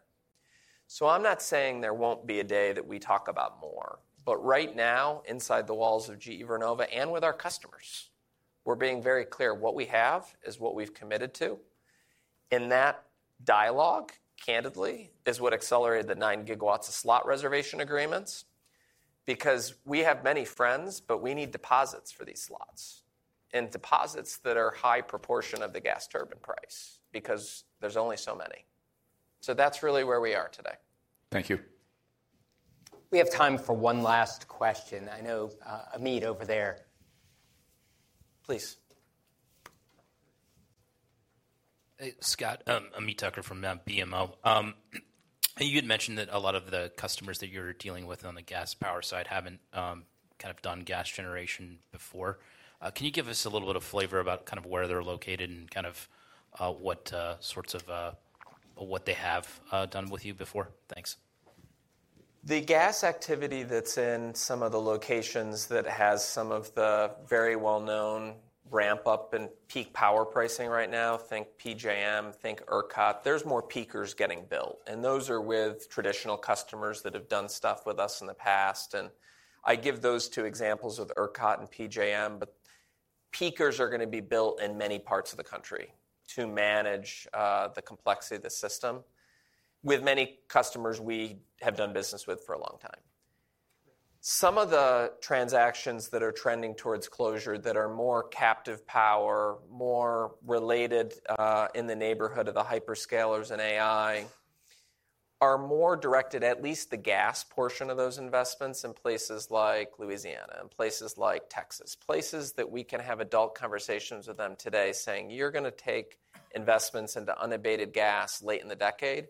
So I'm not saying there won't be a day that we talk about more, but right now inside the walls of GE Vernova and with our customers, we're being very clear what we have is what we've committed to. And that dialogue, candidly, is what accelerated the nine gigawatts of slot reservation agreements because we have many friends, but we need deposits for these slots and deposits that are high proportion of the gas turbine price because there's only so many. So that's really where we are today. Thank you. We have time for one last question. I know Ameet over there. Please. Scott. Ameet Thakkar from BMO. You had mentioned that a lot of the customers that you're dealing with on the gas power side haven't kind of done gas generation before. Can you give us a little bit of flavor about kind of where they're located and kind of what sorts of what they have done with you before? Thanks. The gas activity that's in some of the locations that has some of the very well-known ramp-up and peak power pricing right now, think PJM, think ERCOT, there's more peakers getting built. And those are with traditional customers that have done stuff with us in the past. And I give those two examples of ERCOT and PJM, but peakers are going to be built in many parts of the country to manage the complexity of the system with many customers we have done business with for a long time. Some of the transactions that are trending towards closure that are more captive power, more related in the neighborhood of the hyperscalers and AI are more directed at least the gas portion of those investments in places like Louisiana and places like Texas, places that we can have adult conversations with them today saying, "You're going to take investments into unabated gas late in the decade,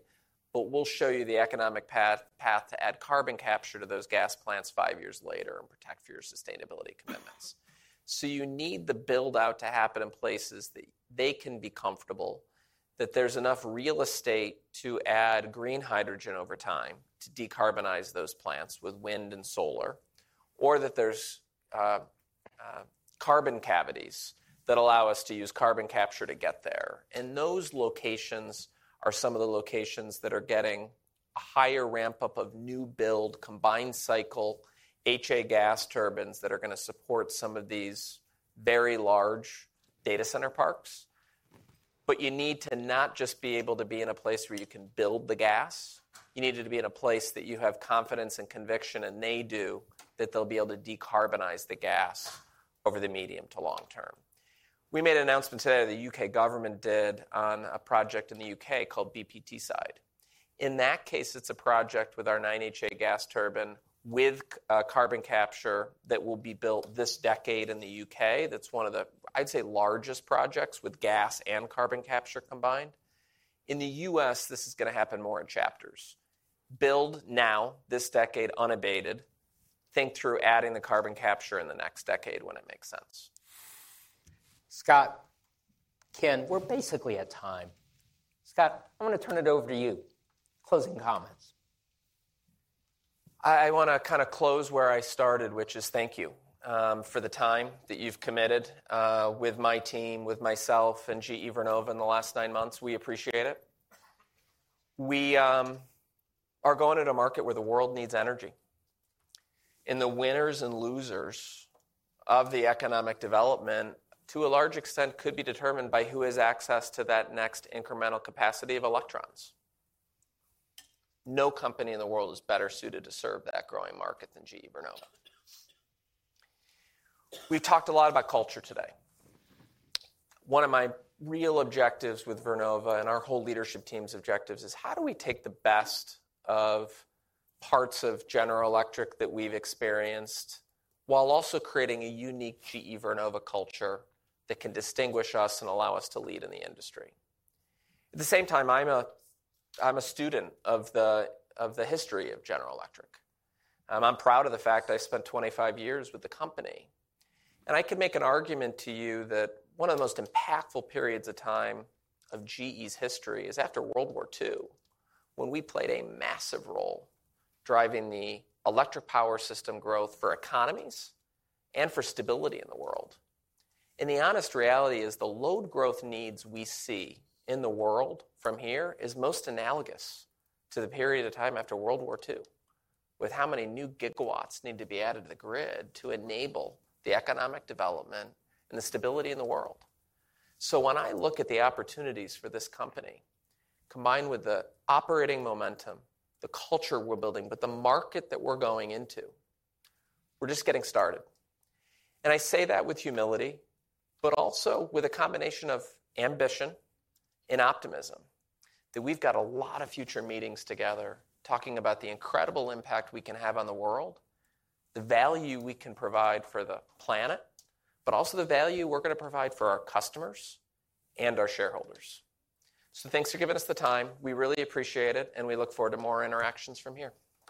but we'll show you the economic path to add carbon capture to those gas plants five years later and protect for your sustainability commitments." So you need the build-out to happen in places that they can be comfortable, that there's enough real estate to add green hydrogen over time to decarbonize those plants with wind and solar, or that there's carbon cavities that allow us to use carbon capture to get there. Those locations are some of the locations that are getting a higher ramp-up of new build combined cycle 9HA gas turbines that are going to support some of these very large data center parks. You need to not just be able to be in a place where you can build the gas. You need it to be in a place that you have confidence and conviction and they do that they'll be able to decarbonize the gas over the medium to long term. We made an announcement today that the U.K. government did on a project in the U.K. called BP Teesside. In that case, it's a project with our 9HA gas turbine with carbon capture that will be built this decade in the U.K. That's one of the, I'd say, largest projects with gas and carbon capture combined. In the US, this is going to happen more in chapters. Build now this decade unabated. Think through adding the carbon capture in the next decade when it makes sense. Scott, Ken, we're basically at time. Scott, I want to turn it over to you. Closing comments. I want to kind of close where I started, which is thank you for the time that you've committed with my team, with myself and GE Vernova in the last nine months. We appreciate it. We are going at a market where the world needs energy, and the winners and losers of the economic development to a large extent could be determined by who has access to that next incremental capacity of electrons. No company in the world is better suited to serve that growing market than GE Vernova. We've talked a lot about culture today. One of my real objectives with Vernova and our whole leadership team's objectives is how do we take the best of parts of General Electric that we've experienced while also creating a unique GE Vernova culture that can distinguish us and allow us to lead in the industry. At the same time, I'm a student of the history of General Electric. I'm proud of the fact that I spent 25 years with the company, and I can make an argument to you that one of the most impactful periods of time of GE's history is after World War II when we played a massive role driving the electric power system growth for economies and for stability in the world. The honest reality is the load growth needs we see in the world from here is most analogous to the period of time after World War II with how many new gigawatts need to be added to the grid to enable the economic development and the stability in the world. When I look at the opportunities for this company combined with the operating momentum, the culture we're building, but the market that we're going into, we're just getting started. I say that with humility, but also with a combination of ambition and optimism that we've got a lot of future meetings together talking about the incredible impact we can have on the world, the value we can provide for the planet, but also the value we're going to provide for our customers and our shareholders. Thanks for giving us the time. We really appreciate it, and we look forward to more interactions from here.